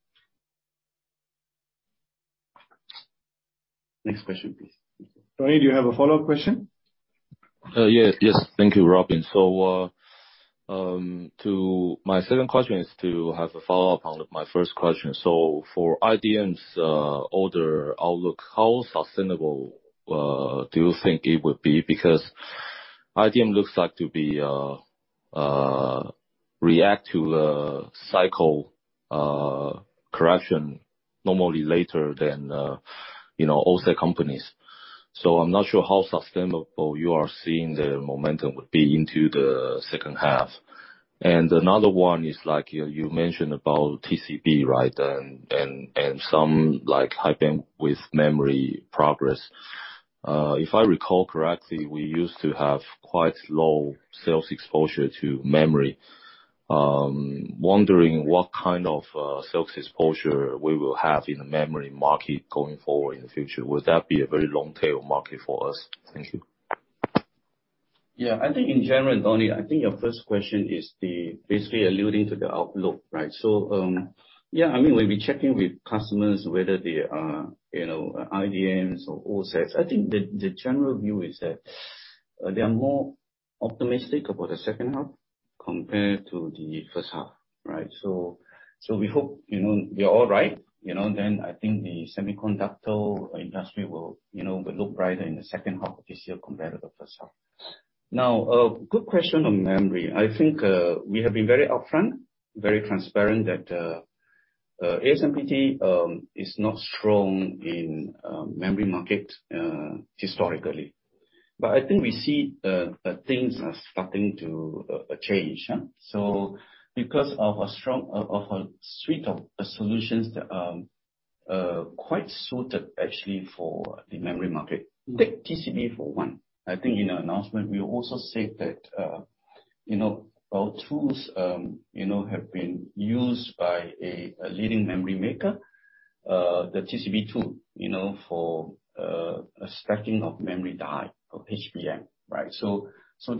Speaker 2: Next question, please.
Speaker 1: Donnie, do you have a follow-up question?
Speaker 5: Yes, yes. Thank you, Robin. My second question is to have a follow-up on my first question. For IDM's order outlook, how sustainable do you think it would be? Because IDM looks like to be react to the cycle correction normally later than, you know, OSAT companies. I'm not sure how sustainable you are seeing the momentum would be into the second half. Another one is like you mentioned about TCB, right? Some like High Bandwidth Memory progress. If I recall correctly, we used to have quite low sales exposure to memory. Wondering what kind of sales exposure we will have in the memory market going forward in the future. Would that be a very long tail market for us? Thank you.
Speaker 2: Yeah. I think in general, Donnie, I think your first question is the basically alluding to the outlook, right? I mean, when we're checking with customers whether they are, you know, IDMs or OSATs, I think the general view is that they are more optimistic about the second half compared to the first half, right? We hope, you know, they are all right. I think the semiconductor industry will look brighter in the second half of this year compared to the first half. Now, good question on memory. I think we have been very upfront, very transparent that ASMPT is not strong in memory market historically. I think we see things are starting to change because of a strong of a suite of solutions that are quite suited actually for the memory market, take TCB for one. I think in our announcement we also said that, you know, our tools, you know, have been used by a leading memory maker, the TCB tool, you know, for a stacking of memory die for HBM, right?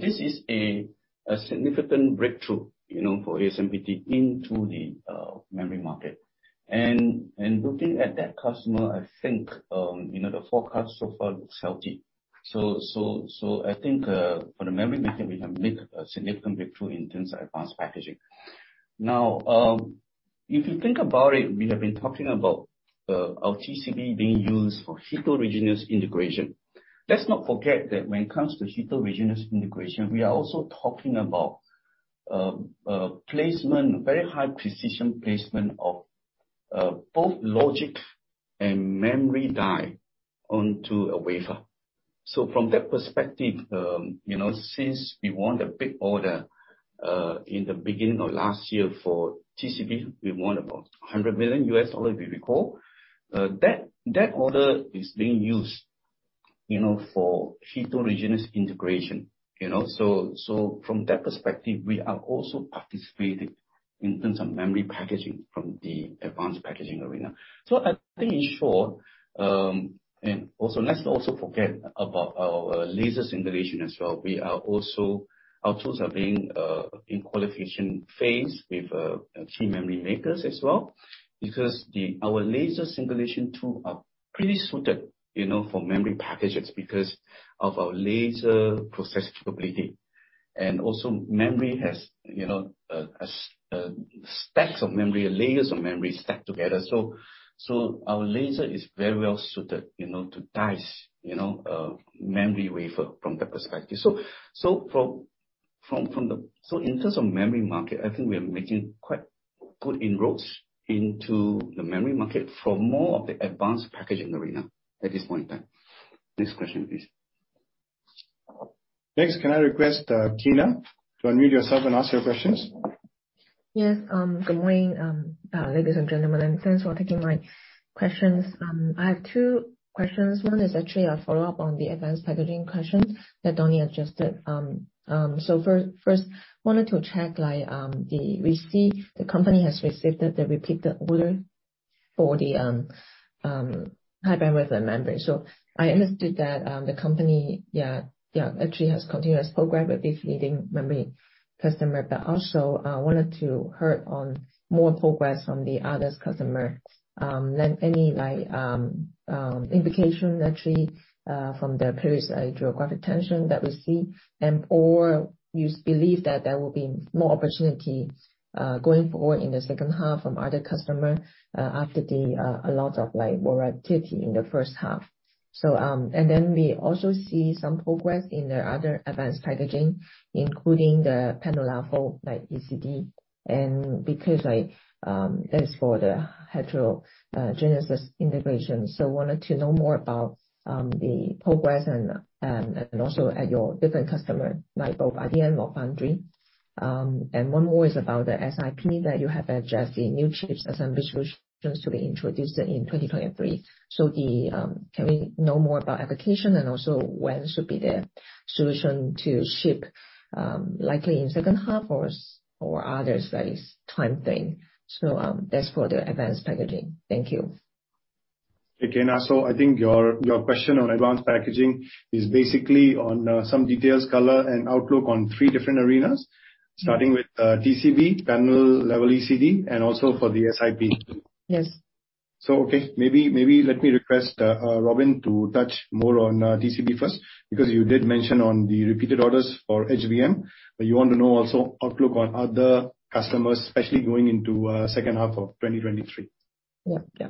Speaker 2: This is a significant breakthrough, you know, for ASMPT into the memory market. Looking at that customer, I think, you know, the forecast so far looks healthy. I think, for the memory market, we have made a significant breakthrough in terms of advanced packaging. Now, if you think about it, we have been talking about, our TCB being used for heterogeneous integration. Let's not forget that when it comes to heterogeneous integration, we are also talking about placement, very high precision placement of both logic and memory die onto a wafer. From that perspective, you know, since we won the big order in the beginning of last year for TCB, we won about $100 million, if you recall. That order is being used, you know, for heterogeneous integration, you know. From that perspective, we are also participating in terms of memory packaging from the advanced packaging arena. I think in short, also let's not also forget about our laser singulation as well. We are also our tools are being in qualification phase with a key memory makers as well, because our laser singulation tool are pretty suited, you know, for memory packages because of our laser process capability. Also memory has, you know, stacks of memory, layers of memory stacked together. Our laser is very well suited, you know, to dice, you know, memory wafer from that perspective. From the so in terms of memory market, I think we are making quite good inroads into the memory market for more of the advanced packaging arena at this point in time. Next question, please.
Speaker 1: Next, can I request Tina to unmute yourself and ask your questions?
Speaker 6: Yes. Good morning, ladies and gentlemen, thanks for taking my questions. I have two questions. One is actually a follow-up on the advanced packaging question that Donnie has just did. First, wanted to check, like, the company has received the repeated order for the High Bandwidth Memory. I understood that the company, yeah, actually has continuous progress with this leading memory customer. Also, wanted to hear on more progress from the other customer, than any, like, indication actually, from the previous, like, geographic tension that we see, and, or you believe that there will be more opportunity, going forward in the second half from other customer, after the a lot of, like, volatility in the first half? We also see some progress in the other advanced packaging, including the panel level, like ECD, and because that is for the heterogeneous integration. Wanted to know more about the progress and also at your different customer, like both IDM or foundry. One more is about the SiP that you have addressed in new chips assembly solutions to be introduced in 2023. Can we know more about application and also when should be the solution to ship, likely in second half or other studies time frame? That's for the advanced packaging. Thank you.
Speaker 1: Okay, Tina. I think your question on advanced packaging is basically on some details, color, and outlook on three different arenas. Starting with TCB, Panel ECD, and also for the SiP.
Speaker 6: Yes.
Speaker 1: Okay. Maybe let me request Robin to touch more on TCB first, because you did mention on the repeated orders for HVM, but you want to know also outlook on other customers, especially going into second half of 2023.
Speaker 6: Yeah. Yeah.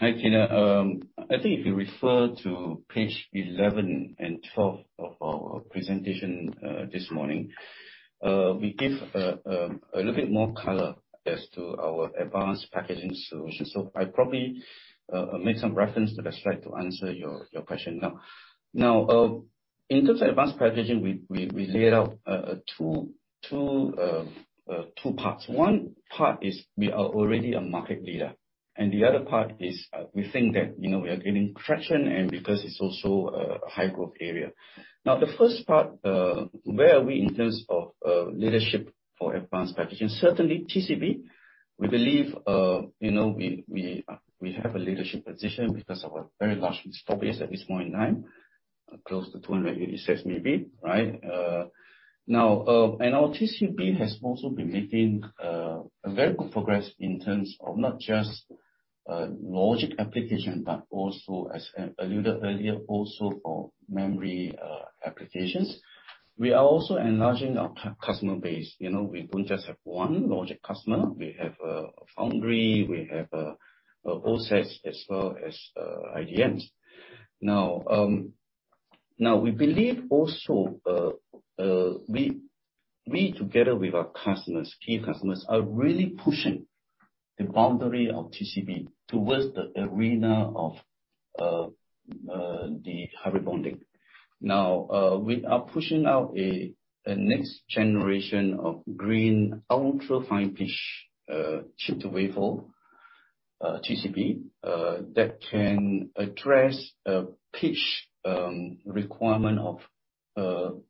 Speaker 2: Hi, Tina. I think if you refer to page 11 and 12 of our presentation this morning, we give a little bit more color as to our advanced packaging solution. I probably make some reference to the slide to answer your question. Now, in terms of advanced packaging, we laid out two parts. One part is we are already a market leader, and the other part is, we think that, you know, we are gaining traction and because it's also a high growth area. Now, the first part, where are we in terms of leadership for advanced packaging? Certainly TCB, we believe, you know, we have a leadership position because of our very large install base at this point in time, close to 286 maybe, right? Now, our TCB has also been making a very good progress in terms of not just logic application, but also, as I alluded earlier, also for memory applications. We are also enlarging our customer base. You know, we don't just have one logic customer. We have foundry, we have OSATs as well as IDMs. Now, now we believe also, together with our customers, key customers, are really pushing the boundary of TCB towards the arena of Hybrid Bonding. Now, we are pushing out a next generation of green ultra-fine pitch, chip-to-wafer TCB that can address a pitch requirement of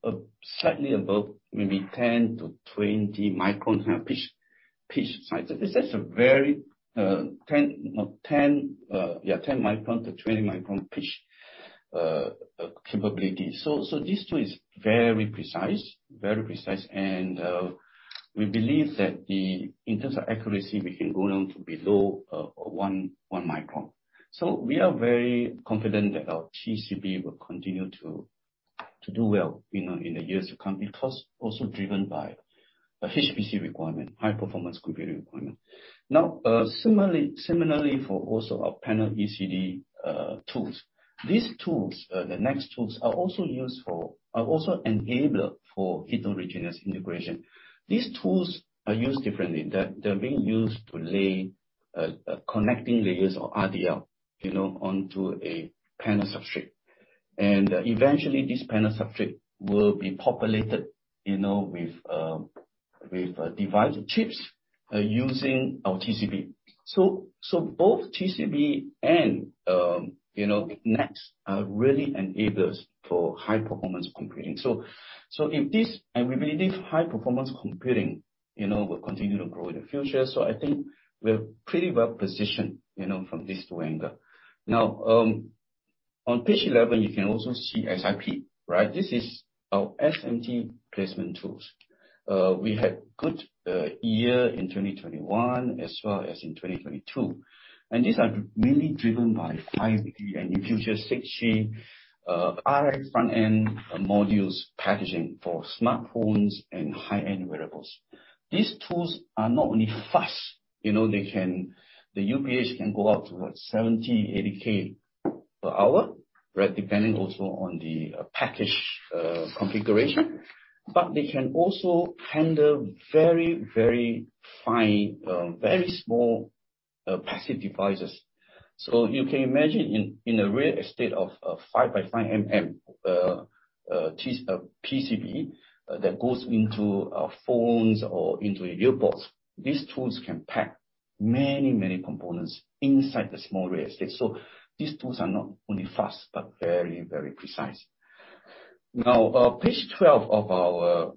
Speaker 2: slightly above maybe 10-20 micron pitch size. This is a very 10-20 micron pitch capability. This tool is very precise. We believe that in terms of accuracy, we can go down to below one micron. We are very confident that our TCB will continue to do well, you know, in the years to come, because also driven by a HPC requirement, High-Performance Computing requirement. Now, similarly for also our Panel ECD tools. These tools, the next tools are also enabler for heterogeneous integration. These tools are used differently. They're being used to lay connecting layers of RDL, you know, onto a panel substrate. Eventually this panel substrate will be populated, you know, with divided chips, using our TCB. Both TCB and, you know, next, really enablers for High-Performance Computing. We believe this High-Performance Computing, you know, will continue to grow in the future. I think we're pretty well positioned, you know, from this two angle. Now, on page 11, you can also see SiP, right? This is our SMT placement tools. We had good year in 2021 as well as in 2022. These are really driven by 5G and in future 6G, RF front-end modules packaging for smartphones and high-end wearables. These tools are not only fast, you know, the UPH can go up to what? 70,000, 80,000 per hour. Right? Depending also on the package configuration, but they can also handle very fine, very small, passive devices. You can imagine in the real estate of 5 by 5 mm PCB that goes into phones or into your ear buds. These tools can pack many components inside the small real estate. These tools are not only fast, but very precise. Now, page 12 of our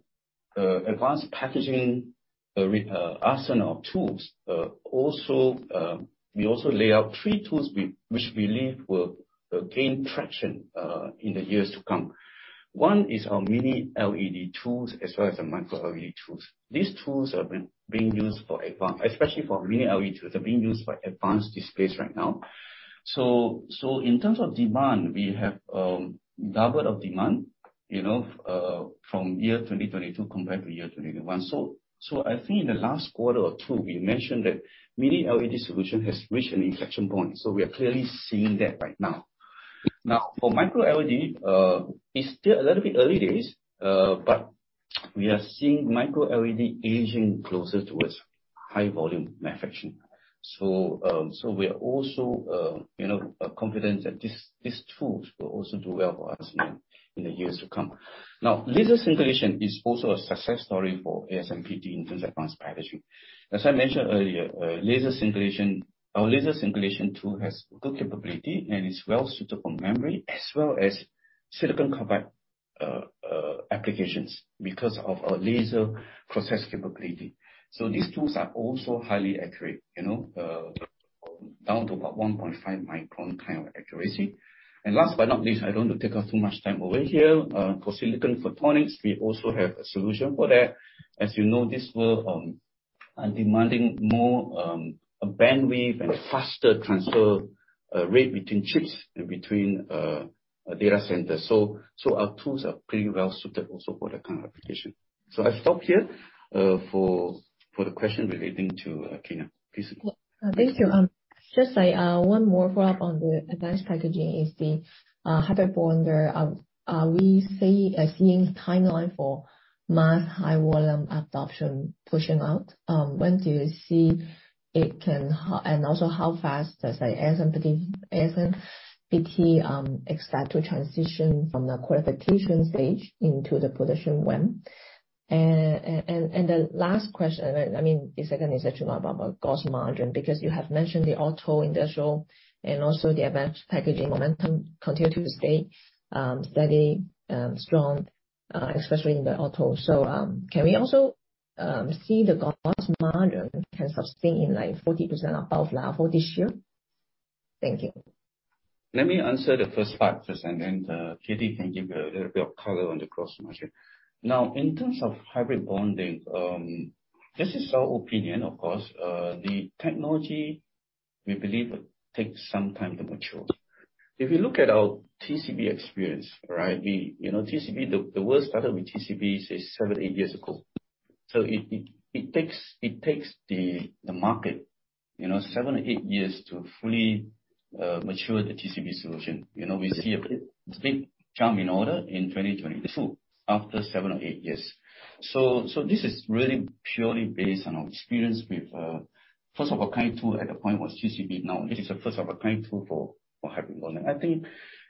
Speaker 2: advanced packaging arsenal of tools, also, we also lay out three tools which we believe will gain traction in the years to come. One is our Mini LED tools as well as the Micro LED tools. These tools are being used for advanced, especially for Mini LED tools, are being used for advanced displays right now. In terms of demand, we have doubled our demand, you know, from year 2022 compared to year 2021. I think in the last quarter or two, we mentioned that Mini LED solution has reached an inflection point. We are clearly seeing that right now. For Micro LED, it's still a little bit early days, but we are seeing Micro LED edging closer towards high volume manufacturing. We are also, you know, confident that these tools will also do well for us in the years to come. Laser singulation is also a success story for ASMPT in terms of advanced packaging. As I mentioned earlier, laser singulation, our laser singulation tool has good capability and is well suited for memory as well as silicon carbide applications because of our laser process capability. These tools are also highly accurate, you know, down to about 1.5 micron kind of accuracy. Last but not least, I don't want to take up too much time over here, for silicon photonics, we also have a solution for that. As you know, this will, demanding more bandwidth and faster transfer rate between chips and between a data center. Our tools are pretty well-suited also for that kind of application. I stop here for the question relating to Tina. Please.
Speaker 6: Thank you. Just one more follow-up on the advanced packaging is the Hybrid bonder. Are we seeing timeline for mass high volume adoption pushing out? When do you see it can Also how fast, let's say, ASMPT expect to transition from the qualification stage into the production when? The last question, I mean, the second is actually more about gross margin, because you have mentioned the auto industrial and also the advanced packaging momentum continue to stay steady strong, especially in the auto. Can we also see the gross margin can sustain in, like, 40% above level this year? Thank you.
Speaker 2: Let me answer the first part first. Then Katie can give a little bit of color on the gross margin. In terms of Hybrid Bonding, this is our opinion, of course. The technology we believe will take some time to mature. If you look at our TCB experience, right? We, you know, TCB, the world started with TCB, say, seven, eight years ago. It takes the market, you know, seven to eight years to fully mature the TCB solution. You know, we see a big, big jump in order in 2022, after seven or eight years. This is really purely based on our experience with first-of-a-kind tool at that point was TCB. This is a first-of-a-kind tool for Hybrid Bonding. I think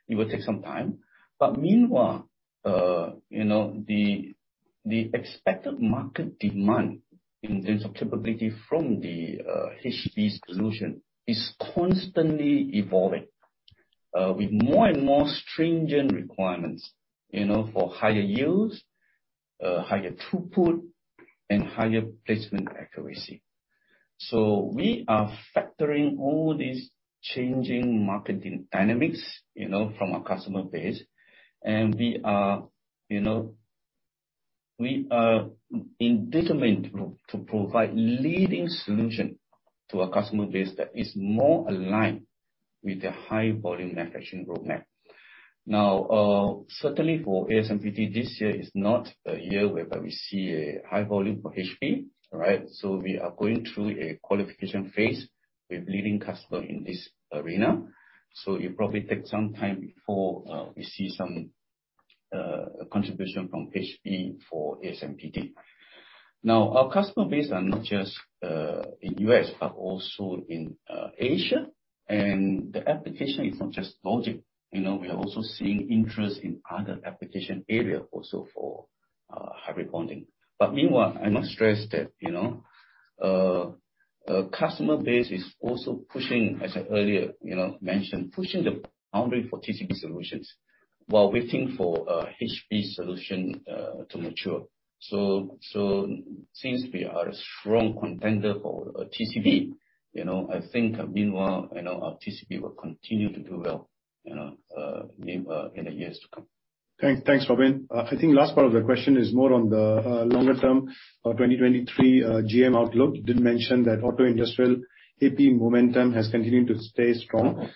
Speaker 2: it will take some time, but meanwhile, you know, the expected market demand in terms of capability from the HB solution is constantly evolving, with more and more stringent requirements, you know, for higher yields, higher throughput, and higher placement accuracy. We are factoring all these changing marketing dynamics, you know, from our customer base, and we are determined to provide leading solution to our customer base that is more aligned with the high volume manufacturing roadmap. Certainly for ASMPT, this year is not a year whereby we see a high volume for HB, all right? We are going through a qualification phase with leading customer in this arena. It'll probably take some time before we see some contribution from HB for ASMPT. Our customer base are not just in U.S., but also in Asia. The application is not just logic. You know, we are also seeing interest in other application area also for Hybrid Bonding. Meanwhile, I must stress that, you know, customer base is also pushing, as I earlier, you know, mentioned, pushing the boundary for TCB solutions while waiting for HB solution to mature. Since we are a strong contender for TCB, you know, I think meanwhile, you know, our TCB will continue to do well, you know, in the years to come.
Speaker 1: Thanks, Robin. I think last part of the question is more on the longer term, 2023 GM outlook. You did mention that auto industrial AP momentum has continued to stay strong.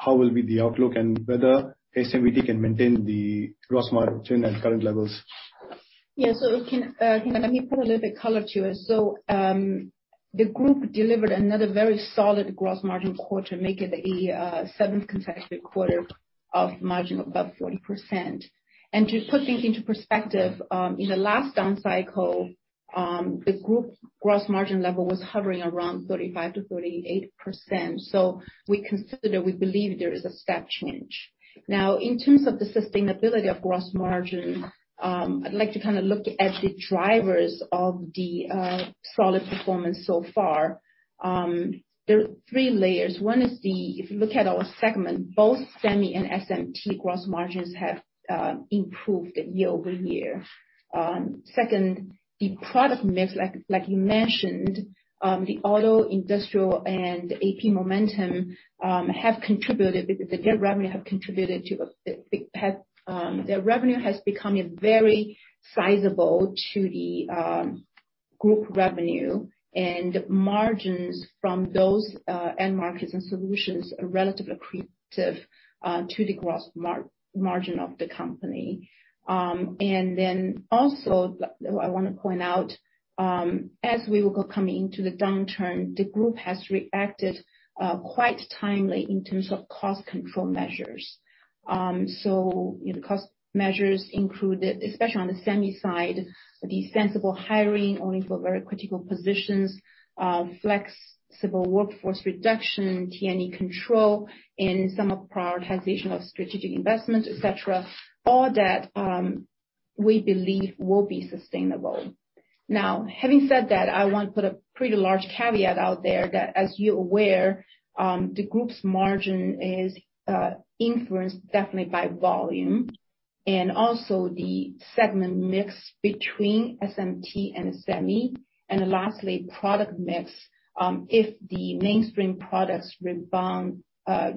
Speaker 1: How will be the outlook and whether ASMPT can maintain the gross margin at current levels?
Speaker 3: Yeah. Let me put a little bit color to it. The group delivered another very solid gross margin quarter, making it a seventh consecutive quarter of margin above 40%. To put things into perspective, in the last down cycle, the group gross margin level was hovering around 35%-38%. We consider, we believe there is a step change. In terms of the sustainability of gross margin, I'd like to kind of look at the drivers of the solid performance so far. There are three layers. One is If you look at our segment, both Semi and SMT gross margins have improved year-over-year. Second, the product mix, like you mentioned, the auto, industrial, and AP momentum have contributed. The net revenue has become very sizable to the group revenue and margins from those end markets and solutions are relatively accretive to the gross margin of the company. Also, I wanna point out, as we were coming into the downturn, the group has reacted quite timely in terms of cost control measures. You know, cost measures included, especially on the SEMI side, the sensible hiring only for very critical positions, flexible workforce reduction, T&E control, and some prioritization of strategic investments, et cetera. All that, we believe will be sustainable. Having said that, I want to put a pretty large caveat out there that, as you're aware, the group's margin is influenced definitely by volume, and also the segment mix between SMT and SEMI. Lastly, product mix, if the mainstream products rebounding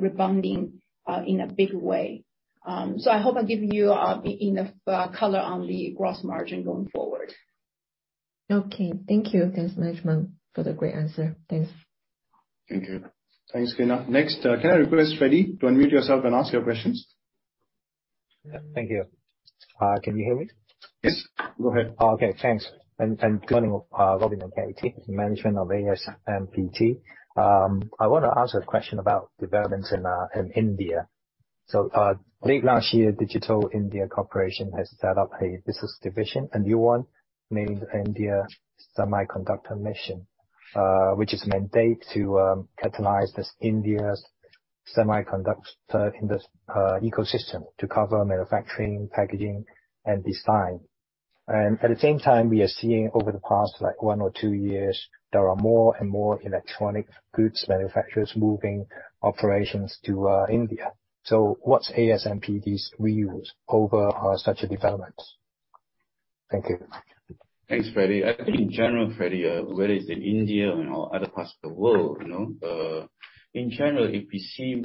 Speaker 3: in a big way. I hope I've given you enough color on the gross margin going forward.
Speaker 6: Okay. Thank you. Thanks, management, for the great answer. Thanks.
Speaker 2: Thank you.
Speaker 1: Thanks, Tina. Next, can I request Freddy to unmute yourself and ask your questions?
Speaker 7: Yeah, thank you. Can you hear me?
Speaker 1: Yes, go ahead.
Speaker 7: Okay. Thanks. I'm calling Robin from KIT, management of ASMPT. I wanna ask a question about developments in India. Late last year, Digital India Corporation has set up a business division, a new one named India Semiconductor Mission, which is mandate to catalyze this India's semiconductor ecosystem to cover manufacturing, packaging, and design. At the same time, we are seeing over the past, like, one or two years, there are more and more electronic goods manufacturers moving operations to India. What's ASMPT's views over such developments? Thank you.
Speaker 2: Thanks, Freddy. I think in general, Freddy, whether it's in India or other parts of the world, you know, in general, if we see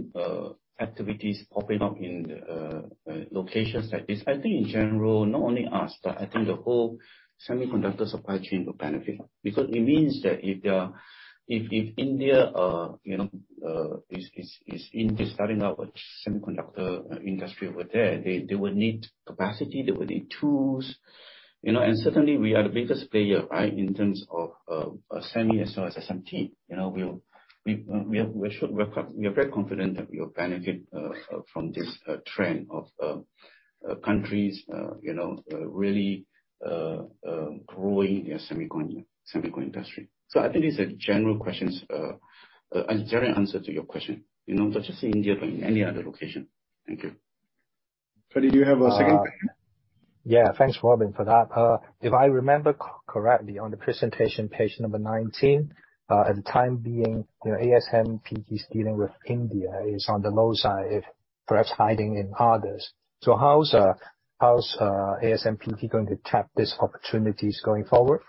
Speaker 2: activities popping up in locations like this, I think in general, not only us, but I think the whole semiconductor supply chain will benefit. It means that if India, you know, is starting out semiconductor industry over there, they will need capacity, they will need tools. You know, certainly we are the biggest player, right, in terms of SEMI as well as SMT. You know, we are very confident that we will benefit from this trend of countries, you know, really growing their semiconductor industry. I think it's a general questions, general answer to your question. You know, not just in India, but in any other location. Thank you.
Speaker 1: Freddy, do you have a second question?
Speaker 7: Yeah. Thanks, Robin, for that. If I remember correctly on the presentation, page number 19, at the time being, you know, ASMPT's dealing with India is on the low side, if perhaps hiding in others. How's ASMPT going to tap these opportunities going forward?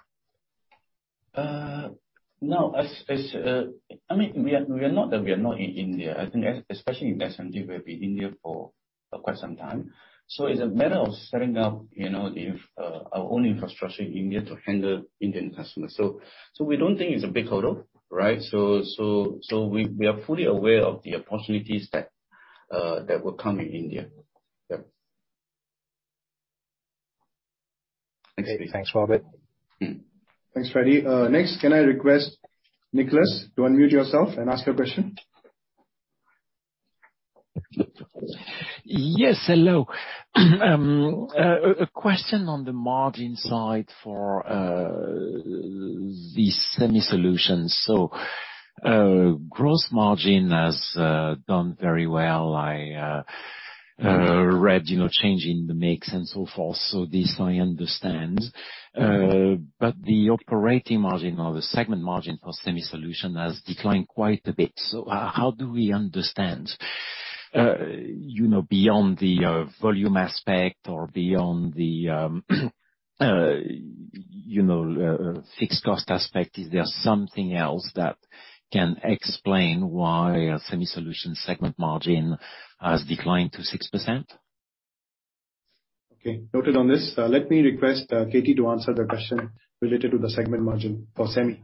Speaker 2: No. As I mean, we are not that we are not in India. I think especially in SMT, we have been India for quite some time. it's a matter of setting up, you know, the our own infrastructure in India to handle Indian customers. we don't think it's a big hurdle, right. we are fully aware of the opportunities that will come in India. Yeah.
Speaker 7: Okay. Thanks, Robin.
Speaker 1: Thanks, Freddy. next, can I request Nicholas to unmute yourself and ask your question?
Speaker 8: Yes, hello. A question on the margin side for the SEMI Solutions. Gross margin has done very well. I read, you know, change in the mix and so forth, so this I understand. The operating margin or the segment margin for SEMI Solution has declined quite a bit. How do we understand, you know, beyond the volume aspect or beyond the, you know, fixed cost aspect, is there something else that can explain why our SEMI Solution segment margin has declined to 6%?
Speaker 1: Okay. Noted on this. Let me request Katie to answer the question related to the segment margin for SEMI.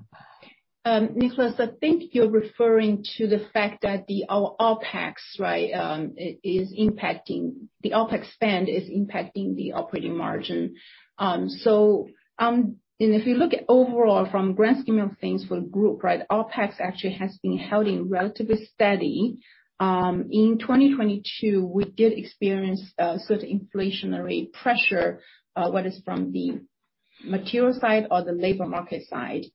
Speaker 3: Nicholas, I think you're referring to the fact that our OPEX, right, is impacting. The OPEX spend is impacting the operating margin. If you look at overall from grand scheme of things for group, right? OPEX actually has been holding relatively steady. In 2022, we did experience certain inflationary pressure, whether it's from the material side or the labor market side.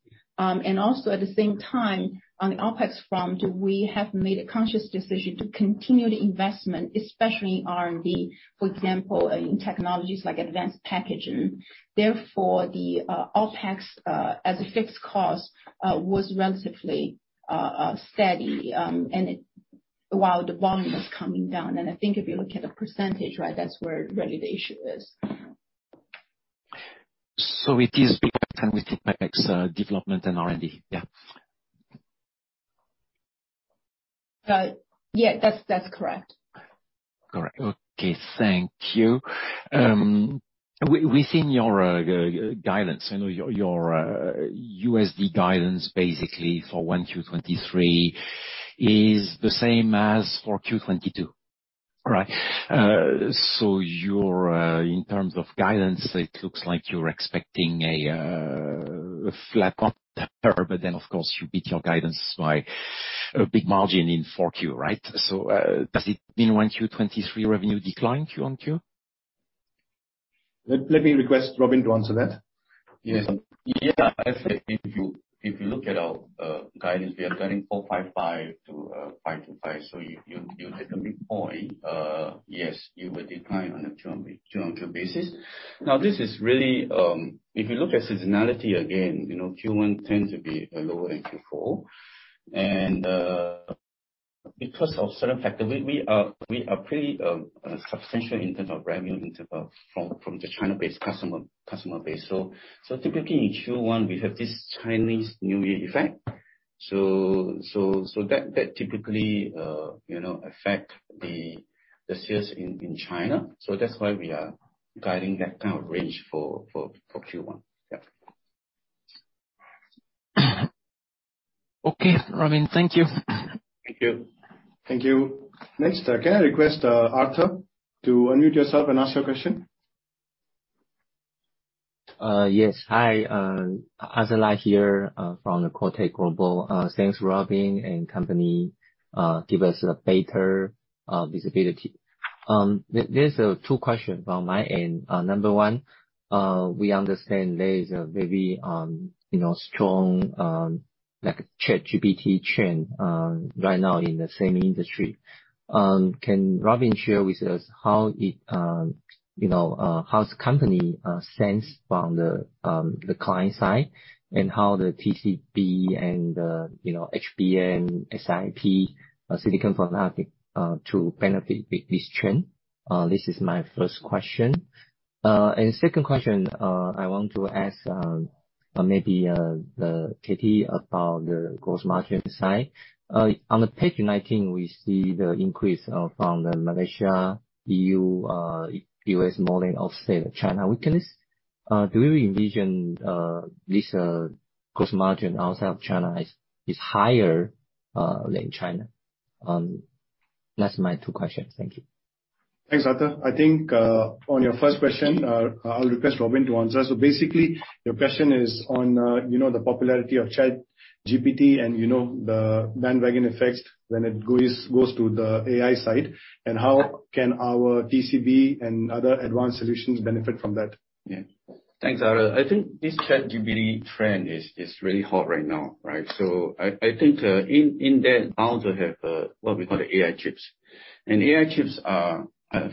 Speaker 3: Also at the same time, on the OPEX front, we have made a conscious decision to continue the investment, especially in R&D, for example, in technologies like advanced packaging. Therefore, the OPEX as a fixed cost was relatively steady while the volume was coming down. I think if you look at the percentage, right, that's where really the issue is.
Speaker 8: It is people and with the OPEX, development and R&D.
Speaker 3: Yeah, that's correct.
Speaker 8: Correct. Okay, thank you. within your guidance, you know, your USD guidance basically for 1Q23 is the same as for Q22. Right? You're in terms of guidance, it looks like you're expecting a flat quarter, Of course, you beat your guidance by a big margin in 4Q, right? Does it mean 1Q23 revenue decline Q-on-Q?
Speaker 1: Let me request Robin to answer that.
Speaker 2: Yeah. I think if you look at our guidance, we are guiding $4.5-$5.5. You hit a big point. Yes, you will decline on a Q-on-Q basis. This is really, if you look at seasonality again, you know, Q1 tends to be lower than Q4. Because of certain factors, we are pretty substantial in terms of revenue in terms of from the China-based customer base. Typically in Q1, we have this Chinese New Year effect. That typically, you know, affect the sales in China. That's why we are guiding that kind of range for Q1.
Speaker 8: Okay, Robin. Thank you.
Speaker 2: Thank you.
Speaker 1: Thank you. Next, can I request Arthur to unmute yourself and ask your question?
Speaker 9: Yes. Hi, Arthur Lai here, from the Quotech Global. Thanks, Robin, and company, give us a better visibility. There's two questions on my end. Number one, we understand there is a very, you know, strong, like ChatGPT trend, right now in the same industry. Can Robin share with us how it, you know, how's the company stands from the client side? How the TCB and, you know, HBM, SIP, silicon photonics, to benefit with this trend? This is my first question. Second question, I want to ask maybe Katie about the gross margin side. On the page 19, we see the increase from the Malaysia, EU, U.S. more than offset China weakness. Do we envision this gross margin outside of China is higher than China? That's my two questions. Thank you.
Speaker 1: Thanks, Arthur. I think, on your first question, I'll request Robin to answer. Your question is on, you know, the popularity of ChatGPT and, you know, the bandwagon effect when it goes to the AI side.
Speaker 9: Yeah.
Speaker 1: How can our TCB and other advanced solutions benefit from that?
Speaker 2: Yeah. Thanks, Arthur. I think this ChatGPT trend is really hot right now, right? I think in that, I also have what we call the AI chips. AI chips are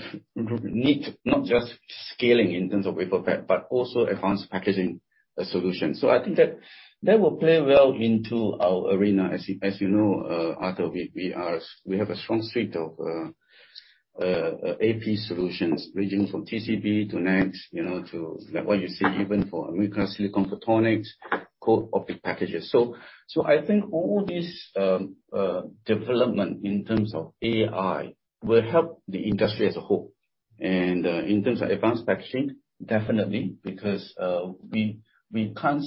Speaker 2: need not just scaling in terms of wafer pack, but also advanced packaging solutions. I think that will play well into our arena. As you know, Arthur, we have a strong suite of AP solutions ranging from TCB to next, you know, to like what you see even for micro silicon photonics, Co-Packaged Optics. I think all this development in terms of AI will help the industry as a whole. In terms of advanced packaging, definitely, because we can't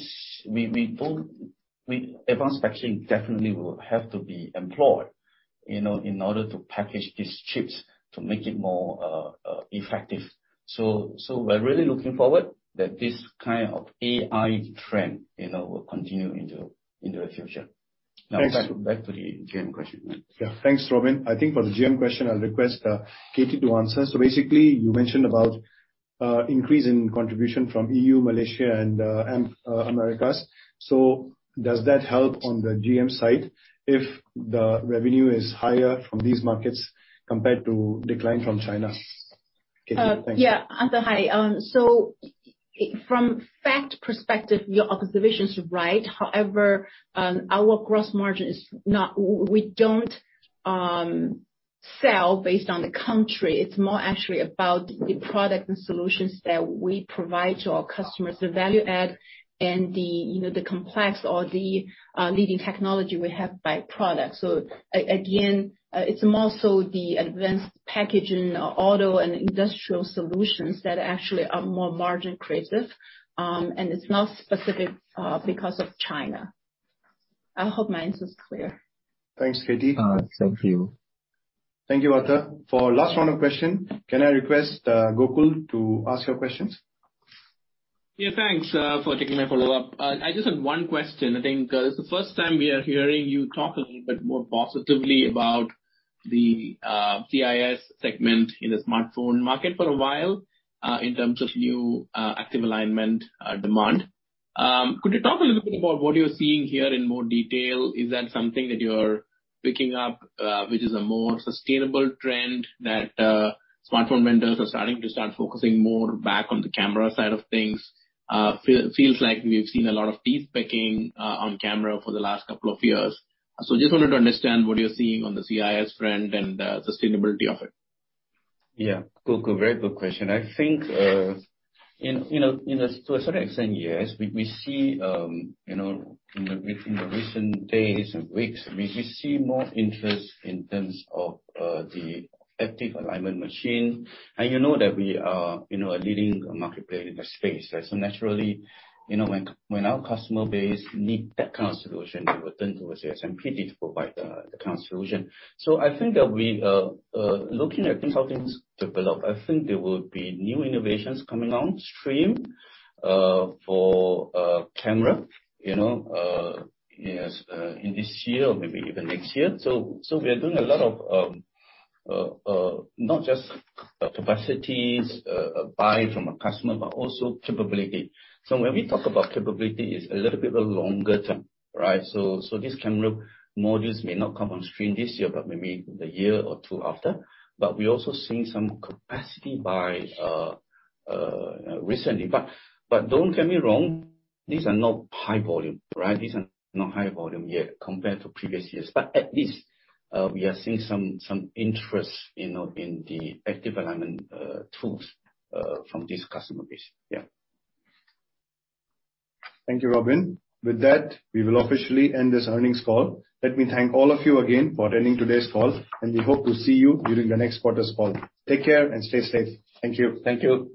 Speaker 2: Advanced packaging definitely will have to be employed, you know, in order to package these chips to make it more effective. We're really looking forward that this kind of AI trend, you know, will continue into the future.
Speaker 1: Thanks.
Speaker 2: Now back to the GM question?
Speaker 1: Thanks, Robin. I think for the GM question, I'll request Katie to answer. Basically, you mentioned about increase in contribution from EU, Malaysia and Americas. Does that help on the GM side if the revenue is higher from these markets compared to decline from China? Katie, thanks.
Speaker 3: Yeah. Arthur, hi. From fact perspective, your observation is right. However, our gross margin is not... we don't sell based on the country. It's more actually about the product and solutions that we provide to our customers, the value add and the, you know, the complex or the leading technology we have by product. Again, it's more so the advanced packaging, auto and industrial solutions that actually are more margin creative. It's not specific because of China. I hope my answer is clear.
Speaker 1: Thanks, Katie.
Speaker 9: Thank you.
Speaker 1: Thank you, Arthur. For our last round of question, can I request Gokul to ask your questions?
Speaker 4: Yeah, thanks for taking my follow-up. I just have one question. I think it's the first time we are hearing you talk a little bit more positively about the CIS segment in the smartphone market for a while, in terms of new active alignment demand. Could you talk a little bit about what you're seeing here in more detail? Is that something that you're picking up, which is a more sustainable trend that smartphone vendors are starting to start focusing more back on the camera side of things? Feels like we've seen a lot of despec-ing on camera for the last couple of years. So just wanted to understand what you're seeing on the CIS front and the sustainability of it?
Speaker 2: Yes. Gokul, very good question. I think, you know, to a certain extent, yes. We see, you know, in the, within the recent days and weeks, we see more interest in terms of the active alignment machine. You know that we are, you know, a leading market player in the space. Naturally, you know, when our customer base need that kind of solution, they will turn towards SMT to provide the kind of solution. I think that we, looking at things how things develop, I think there will be new innovations coming on stream for camera, you know, yes, in this year or maybe even next year. We are doing a lot of, not just capacities, buy from a customer, but also capability. When we talk about capability, it's a little bit of a longer term, right. This camera modules may not come on stream this year, but maybe the year or two after. We're also seeing some capacity buy recently. Don't get me wrong, these are not high volume, right. These are not high volume yet compared to previous years. At least, we are seeing some interest, you know, in the active alignment tools from this customer base. Yeah.
Speaker 1: Thank you, Robin. With that, we will officially end this earnings call. Let me thank all of you again for attending today's call, and we hope to see you during the next quarter's call. Take care and stay safe. Thank you.
Speaker 2: Thank you.